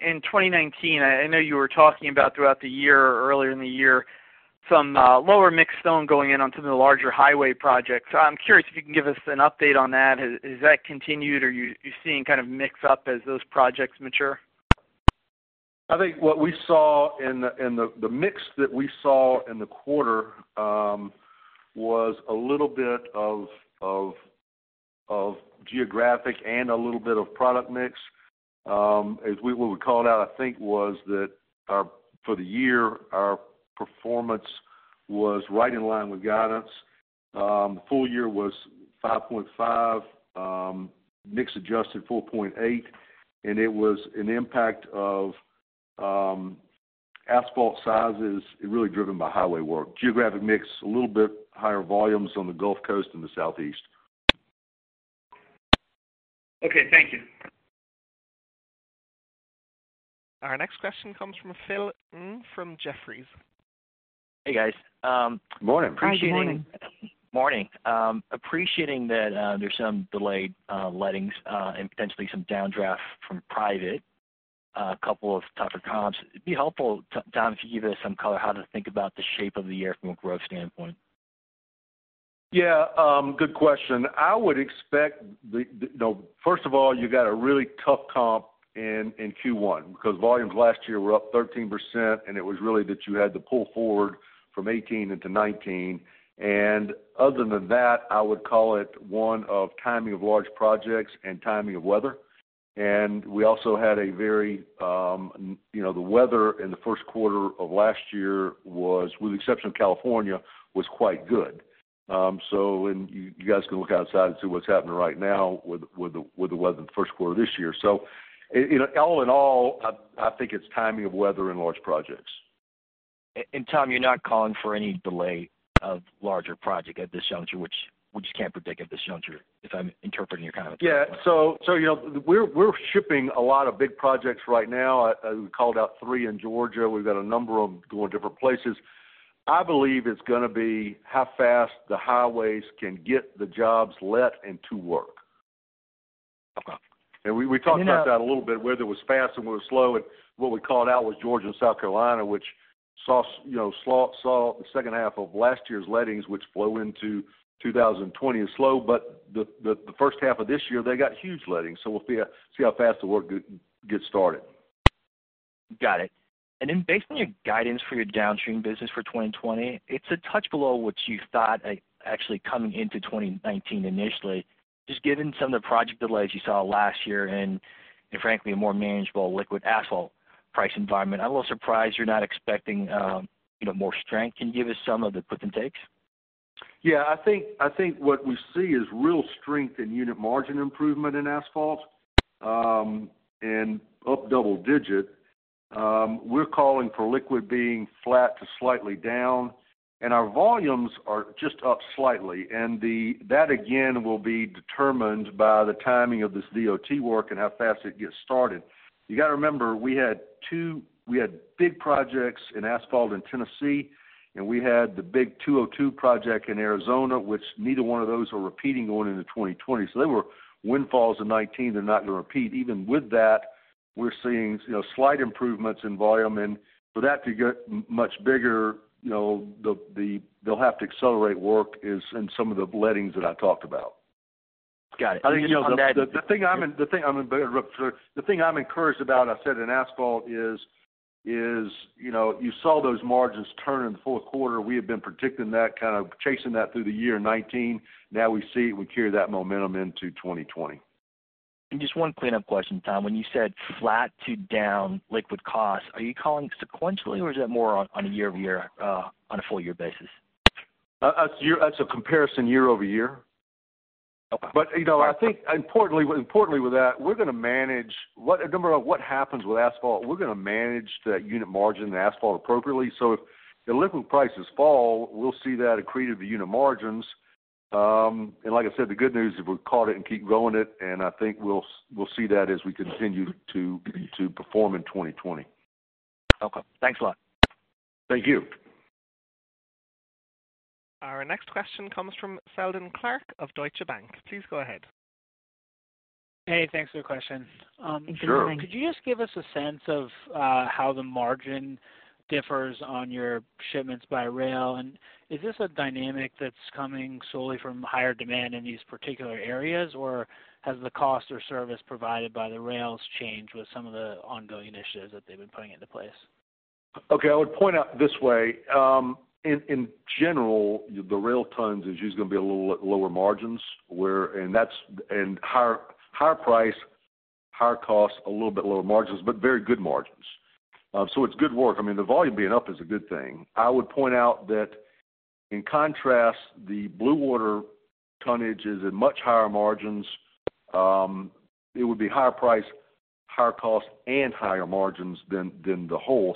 In 2019, I know you were talking about throughout the year or earlier in the year, some lower mix stone going in onto the larger highway projects. I'm curious if you can give us an update on that. Has that continued or are you seeing kind of mix-up as those projects mature? I think the mix that we saw in the quarter was a little bit of geographic and a little bit of product mix. As we would call it out, I think was that for the year, our performance was right in line with guidance. Full year was 5.5, mix adjusted 4.8. It was an impact of asphalt sizes really driven by highway work. Geographic mix, a little bit higher volumes on the Gulf Coast and the Southeast. Okay. Thank you. Our next question comes from Phil Ng from Jefferies. Hey, guys. Morning. Hi, good morning. Morning. Appreciating that there's some delayed lettings, and potentially some downdraft from private, a couple of tougher comps. It'd be helpful, Tom, if you give us some color how to think about the shape of the year from a growth standpoint. Yeah. Good question. First of all, you got a really tough comp in Q1 because volumes last year were up 13%, and it was really that you had to pull forward from 2018 into 2019. Other than that, I would call it one of timing of large projects and timing of weather. We also had the weather in the first quarter of last year, with the exception of California, was quite good. You guys can look outside and see what's happening right now with the weather in the first quarter of this year. All in all, I think it's timing of weather and large projects. Tom, you're not calling for any delay of larger project at this juncture, which you can't predict at this juncture, if I'm interpreting your kind of. Yeah. We're shipping a lot of big projects right now. We called out three in Georgia. We've got a number of them going different places. I believe it's going to be how fast the highways can get the jobs let and to work. Okay. We talked about that a little bit, weather was fast and weather was slow. What we called out was Georgia and South Carolina, which saw the second half of last year's lettings, which flow into 2020 as slow. The first half of this year, they got huge lettings. We'll see how fast the work gets started. Got it. Based on your guidance for your downstream business for 2020, it's a touch below what you thought actually coming into 2019 initially. Just given some of the project delays you saw last year and, frankly, a more manageable liquid asphalt price environment, I'm a little surprised you're not expecting more strength. Can you give us some of the puts and takes? Yeah. I think what we see is real strength in unit margin improvement in Asphalt, up double-digit. We're calling for liquid being flat to slightly down, our volumes are just up slightly. That, again, will be determined by the timing of this DOT work and how fast it gets started. You got to remember, we had big projects in Asphalt in Tennessee, we had the big 202 project in Arizona, which neither one of those are repeating going into 2020. They were windfalls in 2019. They're not going to repeat. Even with that, we're seeing slight improvements in volume. For that to get much bigger, they'll have to accelerate work in some of the lettings that I talked about. Got it. Other than that. The thing I'm encouraged about, I said in Asphalt is you saw those margins turn in the fourth quarter. We have been predicting that, kind of chasing that through the year 2019. Now we see it. We carry that momentum into 2020. Just one cleanup question, Tom. When you said flat to down liquid costs, are you calling sequentially or is that more on a year-over-year, on a full-year basis? That's a comparison year-over-year. Okay. I think importantly with that, no matter what happens with Asphalt, we're going to manage the unit margin in Asphalt appropriately. If the liquid prices fall, we'll see that accretive to unit margins. Like I said, the good news is we've caught it and keep growing it, and I think we'll see that as we continue to perform in 2020. Okay. Thanks a lot. Thank you. Our next question comes from Seldon Clarke of Deutsche Bank. Please go ahead. Hey, thanks for the question. Sure. Could you just give us a sense of how the margin differs on your shipments by rail? Is this a dynamic that's coming solely from higher demand in these particular areas, or has the cost or service provided by the rails changed with some of the ongoing initiatives that they've been putting into place? Okay. I would point out this way. In general, the rail tons is usually going to be a little lower margins. Higher price, higher cost, a little bit lower margins, but very good margins. It's good work. The volume being up is a good thing. I would point out that in contrast, the blue water tonnage is at much higher margins. It would be higher price, higher cost, and higher margins than the whole.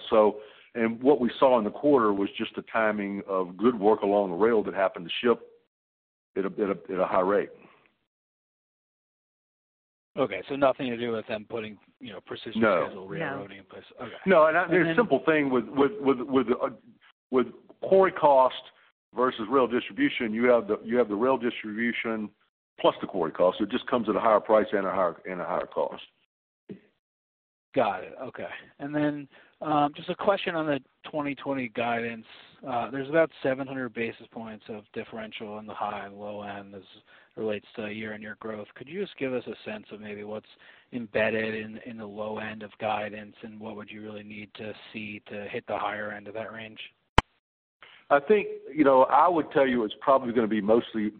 What we saw in the quarter was just the timing of good work along the rail that happened to ship at a high rate. Okay. Nothing to do with them putting precision scheduled railroading in place. No. No. Okay. A simple thing with quarry cost versus rail distribution, you have the rail distribution plus the quarry cost. It just comes at a higher price and a higher cost. Got it. Okay. Just a question on the 2020 guidance. There's about 700 basis points of differential in the high and low end as it relates to year-on-year growth. Could you just give us a sense of maybe what's embedded in the low end of guidance, and what would you really need to see to hit the higher end of that range? I would tell you it's probably going to be mostly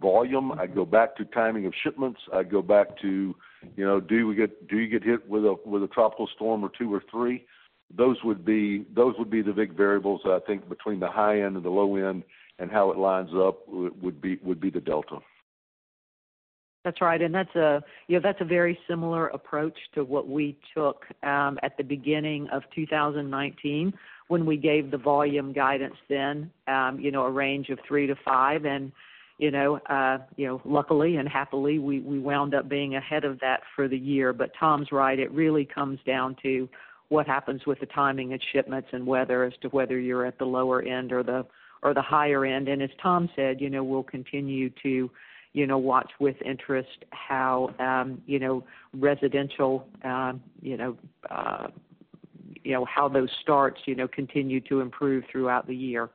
volume. I'd go back to timing of shipments. I'd go back to do you get hit with a tropical storm or two or three? Those would be the big variables, I think, between the high end and the low end, and how it lines up would be the delta. That's right. That's a very similar approach to what we took at the beginning of 2019 when we gave the volume guidance then, a range of three to five. Luckily and happily, we wound up being ahead of that for the year. Tom's right. It really comes down to what happens with the timing and shipments and weather as to whether you're at the lower end or the higher end. As Tom said, we'll continue to watch with interest how residential. How those starts continue to improve throughout the year.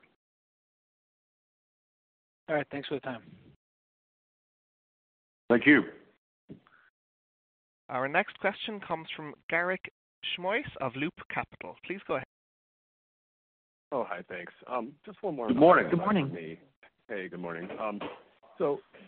All right, thanks for the time. Thank you. Our next question comes from Garik Shmois of Loop Capital. Please go ahead. Oh, hi. Thanks. Just one more. Good morning. Good morning. Hey, good morning.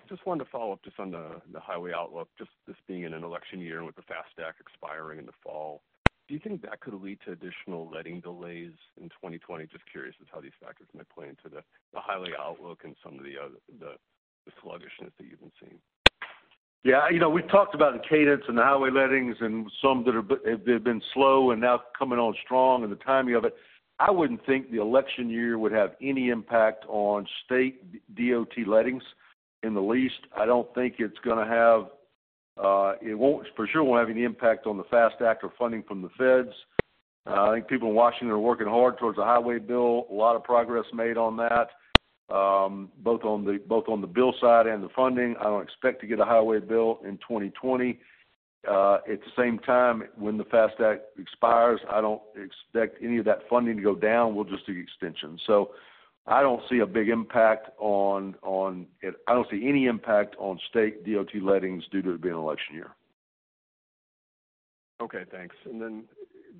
Just wanted to follow up just on the highway outlook, just this being in an election year with the FAST Act expiring in the fall. Do you think that could lead to additional letting delays in 2020? Just curious as how these factors might play into the highway outlook and some of the sluggishness that you've been seeing. We've talked about the cadence and the highway lettings and some that have been slow and now coming on strong and the timing of it. I wouldn't think the election year would have any impact on state DOT lettings in the least. I don't think it's going to have It won't, for sure, have any impact on the FAST Act or funding from the feds. I think people in Washington are working hard towards a highway bill. A lot of progress made on that, both on the bill side and the funding. I don't expect to get a highway bill in 2020. At the same time, when the FAST Act expires, I don't expect any of that funding to go down. We'll just do extensions. I don't see any impact on state DOT lettings due to it being an election year. Okay, thanks.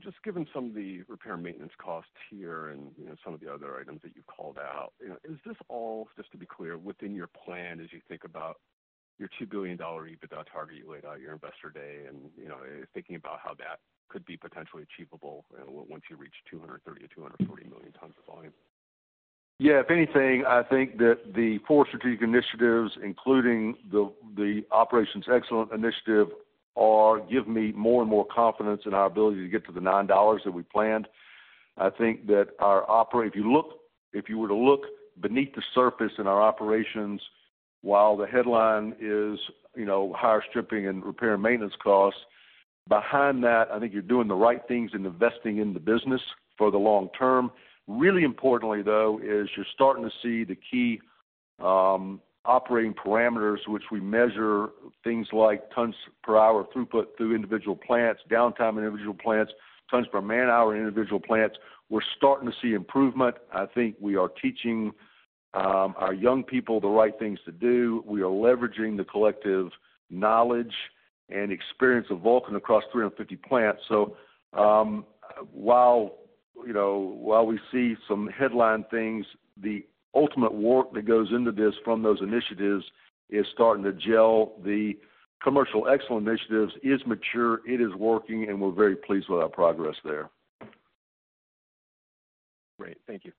Just given some of the repair and maintenance costs here and some of the other items that you called out, is this all, just to be clear, within your plan as you think about your $2 billion EBITDA target you laid out at your Investor Day and thinking about how that could be potentially achievable once you reach 230 million tons-240 million tons of volume? If anything, I think that the four strategic initiatives, including the Operations Excellent initiative, give me more and more confidence in our ability to get to the $9 that we planned. I think that our If you were to look beneath the surface in our operations, while the headline is higher stripping and repair and maintenance costs, behind that, I think you're doing the right things and investing in the business for the long term. Really importantly, though, is you're starting to see the key operating parameters, which we measure things like tons per hour throughput through individual plants, downtime in individual plants, tons per man hour in individual plants. We're starting to see improvement. I think we are teaching our young people the right things to do. We are leveraging the collective knowledge and experience of Vulcan across 350 plants. While we see some headline things, the ultimate work that goes into this from those initiatives is starting to gel. The commercial excellence initiatives is mature, it is working, and we're very pleased with our progress there. Great. Thank you.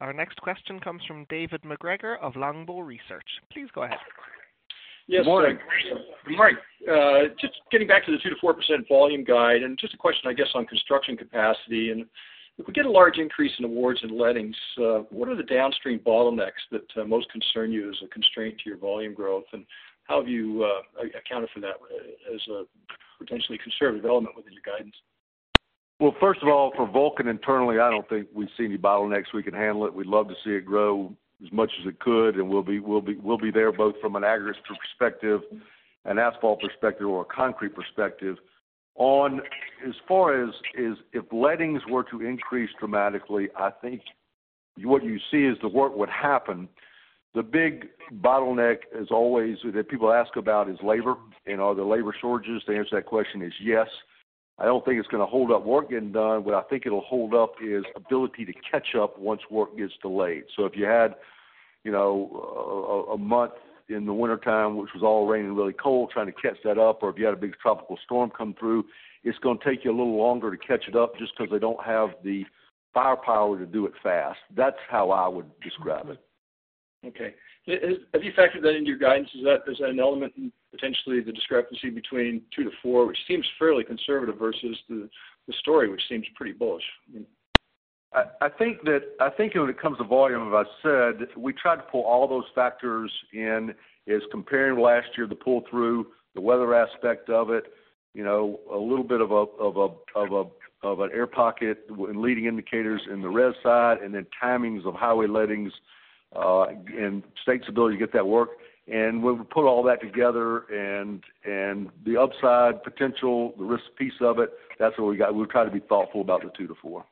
Our next question comes from David MacGregor of Longbow Research. Please go ahead. Good morning. Yes. Hi. Just getting back to the 2%-4% volume guide, just a question, I guess, on construction capacity. If we get a large increase in awards and lettings, what are the downstream bottlenecks that most concern you as a constraint to your volume growth, and how have you accounted for that as a potentially conservative element within your guidance? Well, first of all, for Vulcan internally, I don't think we see any bottlenecks. We can handle it. We'd love to see it grow as much as it could, and we'll be there both from an Aggregates perspective, an Asphalt perspective, or a Concrete perspective. On as far as if lettings were to increase dramatically, I think what you see is the work would happen. The big bottleneck, as always, that people ask about is labor, and are there labor shortages? To answer that question is yes. I don't think it's going to hold up work getting done, but I think it'll hold up his ability to catch up once work gets delayed. If you had a month in the wintertime, which was all raining, really cold, trying to catch that up, or if you had a big tropical storm come through, it's going to take you a little longer to catch it up just because they don't have the firepower to do it fast. That's how I would describe it. Okay. Have you factored that into your guidance? Is that an element in potentially the discrepancy between 2%-4%, which seems fairly conservative versus the story, which seems pretty bullish? I think when it comes to volume, as I said, we tried to pull all those factors in as comparing last year, the pull through, the weather aspect of it, a little bit of an air pocket in leading indicators in the res side, and then timings of highway lettings, and state's ability to get that work. When we put all that together and the upside potential, the risk piece of it, that's what we got. We try to be thoughtful about the 2%-4%.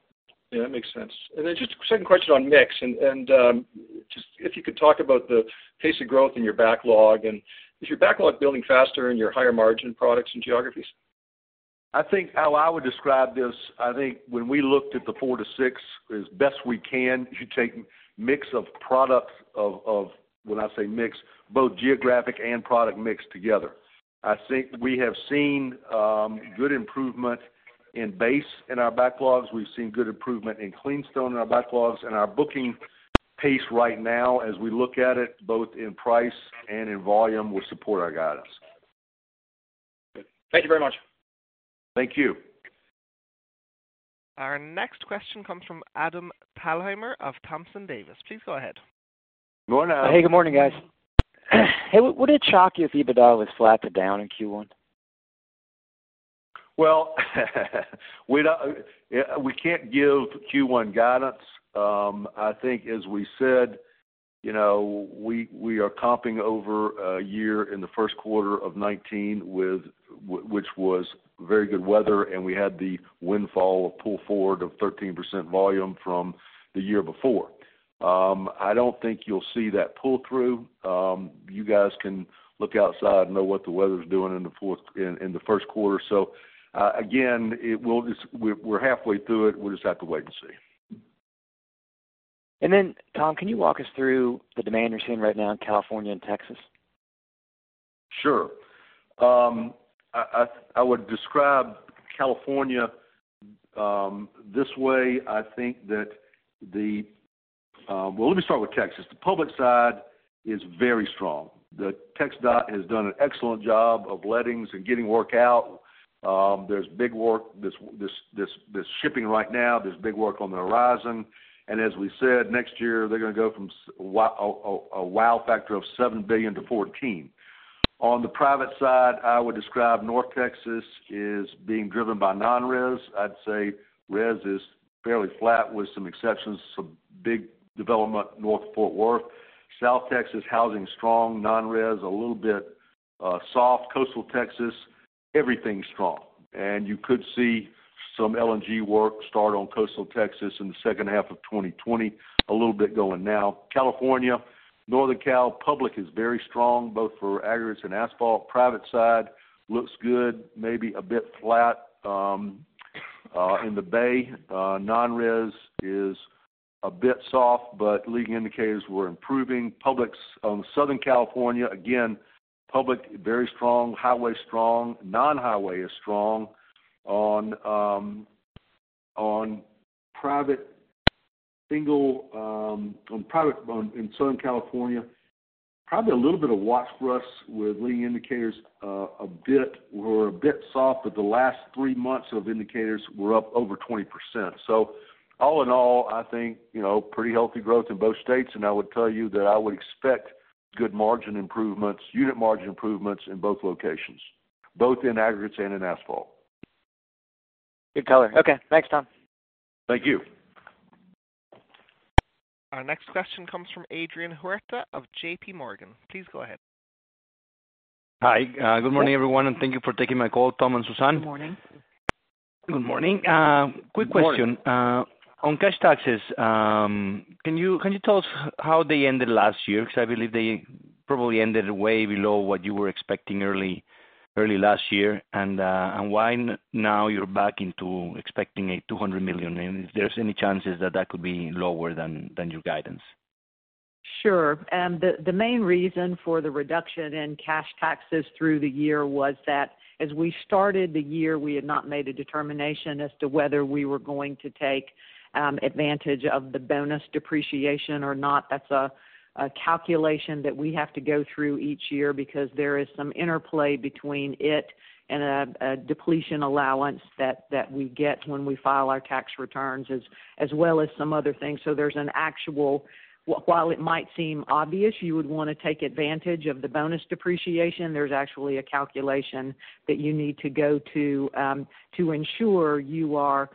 Yeah, that makes sense. Just a second question on mix, and just if you could talk about the pace of growth in your backlog, and is your backlog building faster in your higher margin products and geographies? I think how I would describe this, I think when we looked at the four to six as best we can, if you take mix of products, when I say mix, both geographic and product mix together. I think we have seen good improvement in base in our backlogs. We've seen good improvement in clean stone in our backlogs and our booking pace right now as we look at it, both in price and in volume, will support our guidance. Good. Thank you very much. Thank you. Our next question comes from Adam Thalhimer of Thompson Davis. Please go ahead. Good morning, Adam. Hey, good morning, guys. Hey, would it shock you if EBITDA was flat to down in Q1? Well, we can't give Q1 guidance. I think as we said, we are comping over a year in the first quarter of 2019, which was very good weather, and we had the windfall of pull forward of 13% volume from the year before. I don't think you'll see that pull through. You guys can look outside and know what the weather's doing in the first quarter. Again, we're halfway through it. We'll just have to wait and see. Tom, can you walk us through the demand you're seeing right now in California and Texas? Sure. I would describe California this way. Well, let me start with Texas. The public side is very strong. The TxDOT has done an excellent job of lettings and getting work out. There's big work that's shipping right now. There's big work on the horizon. As we said, next year they're going to go from a wow factor of $7 billion to $14 billion. On the private side, I would describe North Texas is being driven by non-res. I'd say res is fairly flat with some exceptions, some big development, North Fort Worth. South Texas, housing strong, non-res a little bit soft. Coastal Texas, everything's strong. You could see some LNG work start on Coastal Texas in the second half of 2020, a little bit going now. California, Northern Cal public is very strong both for Aggregates and Asphalt. Private side looks good, maybe a bit flat. In the Bay, non-res is a bit soft, but leading indicators were improving. Public on Southern California, again, public very strong, highway strong, non-highway is strong. On private in Southern California, probably a little bit of watch for us with leading indicators were a bit soft, but the last three months of indicators were up over 20%. All in all, I think pretty healthy growth in both states, and I would tell you that I would expect good margin improvements, unit margin improvements in both locations, both in Aggregates and in Asphalt. Good color. Okay, thanks, Tom. Thank you. Our next question comes from Adrian Huerta of JPMorgan. Please go ahead. Hi. Good morning, everyone, and thank you for taking my call, Tom and Suzanne. Good morning. Good morning. Good morning. Quick question. On cash taxes, can you tell us how they ended last year? I believe they probably ended way below what you were expecting early last year. Why now you're back into expecting a $200 million, and if there's any chances that that could be lower than your guidance? Sure. The main reason for the reduction in cash taxes through the year was that as we started the year, we had not made a determination as to whether we were going to take advantage of the bonus depreciation or not. That's a calculation that we have to go through each year because there is some interplay between it and a depletion allowance that we get when we file our tax returns, as well as some other things. There's an actual, while it might seem obvious you would want to take advantage of the bonus depreciation, there's actually a calculation that you need to go to ensure you are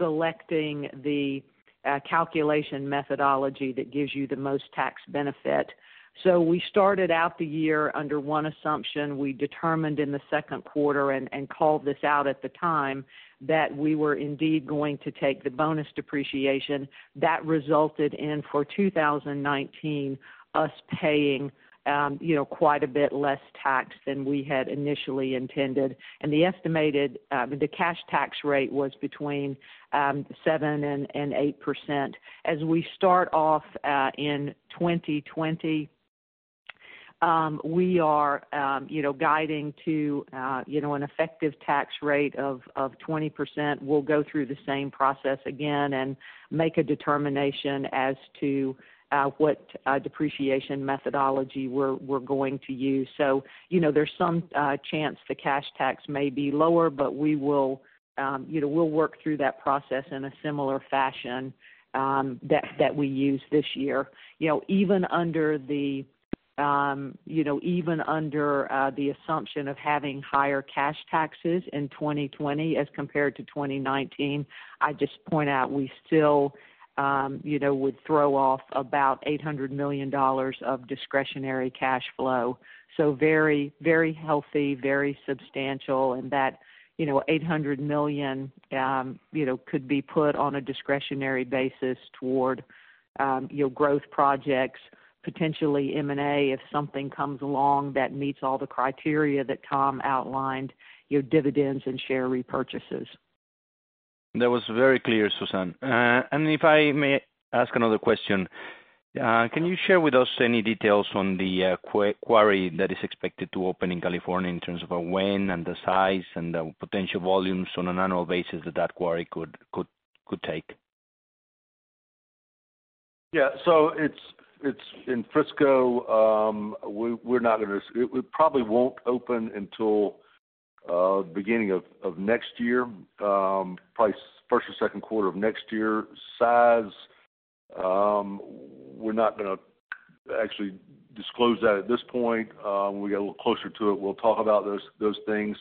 selecting the calculation methodology that gives you the most tax benefit. We started out the year under one assumption. We determined in the second quarter and called this out at the time, that we were indeed going to take the bonus depreciation. That resulted in, for 2019, us paying quite a bit less tax than we had initially intended. The estimated cash tax rate was between 7% and 8%. As we start off in 2020, we are guiding to an effective tax rate of 20%. We'll go through the same process again and make a determination as to what depreciation methodology we're going to use. There's some chance the cash tax may be lower, but we'll work through that process in a similar fashion that we used this year. Even under the assumption of having higher cash taxes in 2020 as compared to 2019, I'd just point out we still would throw off about $800 million of discretionary cash flow. Very healthy, very substantial, and that $800 million could be put on a discretionary basis toward growth projects, potentially M&A if something comes along that meets all the criteria that Tom outlined, dividends and share repurchase. That was very clear, Suzanne. If I may ask another question, can you share with us any details on the quarry that is expected to open in California in terms of a when and the size and the potential volumes on an annual basis that that quarry could take? It's in Frisco. It probably won't open until the beginning of next year, probably first or second quarter of next year. Size, we're not going to actually disclose that at this point. When we get a little closer to it, we'll talk about those things.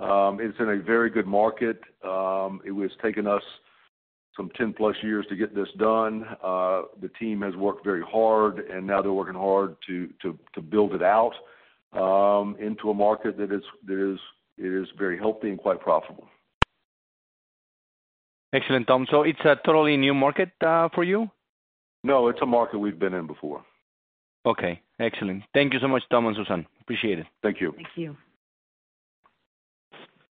It's in a very good market. It has taken us some 10-plus years to get this done. The team has worked very hard, and now they're working hard to build it out into a market that is very healthy and quite profitable. Excellent, Tom. It's a totally new market for you? No, it's a market we've been in before. Okay. Excellent. Thank you so much, Tom and Suzanne. Appreciate it. Thank you. Thank you.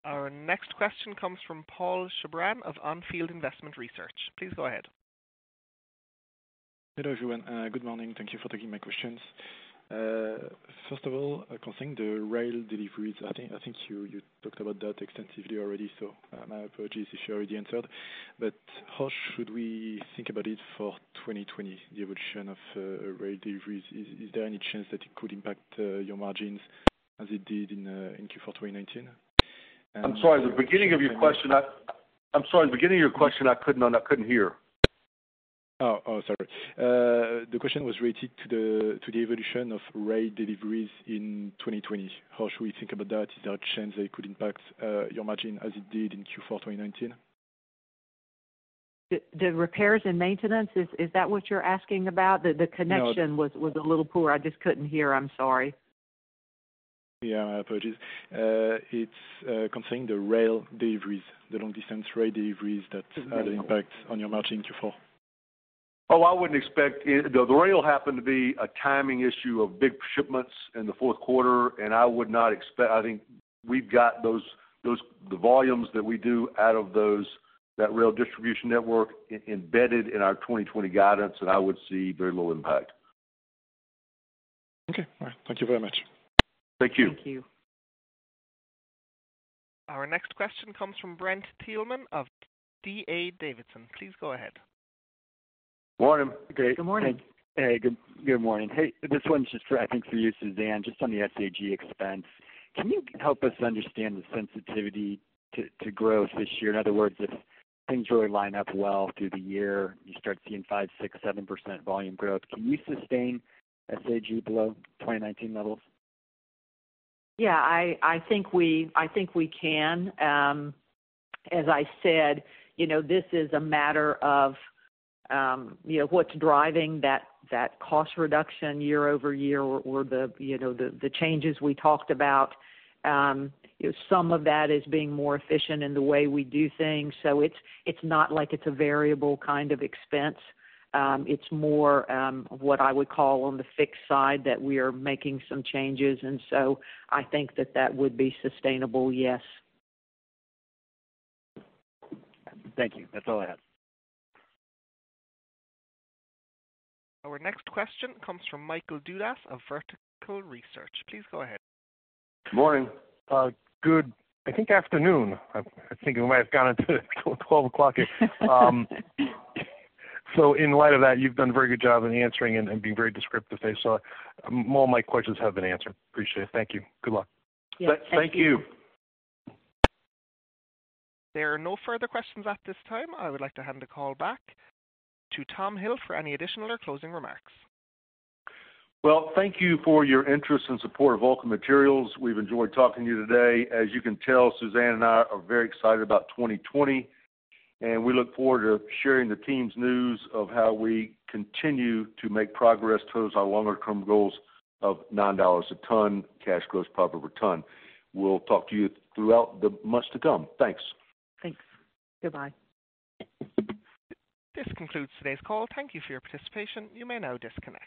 Our next question comes from Paul Chabran of On Field Investment Research. Please go ahead. Hello, everyone. Good morning. Thank you for taking my questions. First of all, concerning the rail deliveries, I think you talked about that extensively already, so my apologies if you already answered. How should we think about it for 2020, the evolution of rail deliveries? Is there any chance that it could impact your margins as it did in Q4 2019? I'm sorry, the beginning of your question I couldn't hear. Sorry. The question was related to the evolution of rail deliveries in 2020. How should we think about that? Is there a chance that it could impact your margin as it did in Q4 2019? The repairs and maintenance, is that what you're asking about- No -was a little poor. I just couldn't hear. I'm sorry. Yeah, my apologies. It's concerning the rail deliveries, the long-distance rail deliveries that had an impact on your margin in Q4. Oh, I wouldn't expect. The rail happened to be a timing issue of big shipments in the fourth quarter. I think we've got the volumes that we do out of that rail distribution network embedded in our 2020 guidance, and I would see very low impact. Okay. All right. Thank you very much. Thank you. Thank you. Our next question comes from Brent Thielman of D.A. Davidson. Please go ahead. Morning. Great. Good morning. Hey, good morning. Hey, this one's just for, I think for you, Suzanne, just on the SAG expense. Can you help us understand the sensitivity to growth this year? In other words, if things really line up well through the year, you start seeing 5%, 6%, 7% volume growth, can you sustain SAG below 2019 levels? Yeah, I think we can. As I said, this is a matter of what's driving that cost reduction year-over-year or the changes we talked about. Some of that is being more efficient in the way we do things. It's not like it's a variable kind of expense. It's more what I would call on the fixed side that we are making some changes. I think that that would be sustainable, yes. Thank you. That's all I had. Our next question comes from Michael Dudas of Vertical Research. Please go ahead. Morning. Good, I think afternoon. I think we might have gone into 12 o'clock here. In light of that, you've done a very good job in answering and being very descriptive. All my questions have been answered. Appreciate it. Thank you. Good luck. Yes. Thank you. Thank you. There are no further questions at this time. I would like to hand the call back to Tom Hill for any additional or closing remarks. Well, thank you for your interest and support of Vulcan Materials. We've enjoyed talking to you today. As you can tell, Suzanne and I are very excited about 2020, and we look forward to sharing the team's news of how we continue to make progress towards our longer-term goals of $9 a ton cash cost profit per ton. We'll talk to you throughout the months to come. Thanks. Thanks. Goodbye. This concludes today's call. Thank you for your participation. You may now disconnect.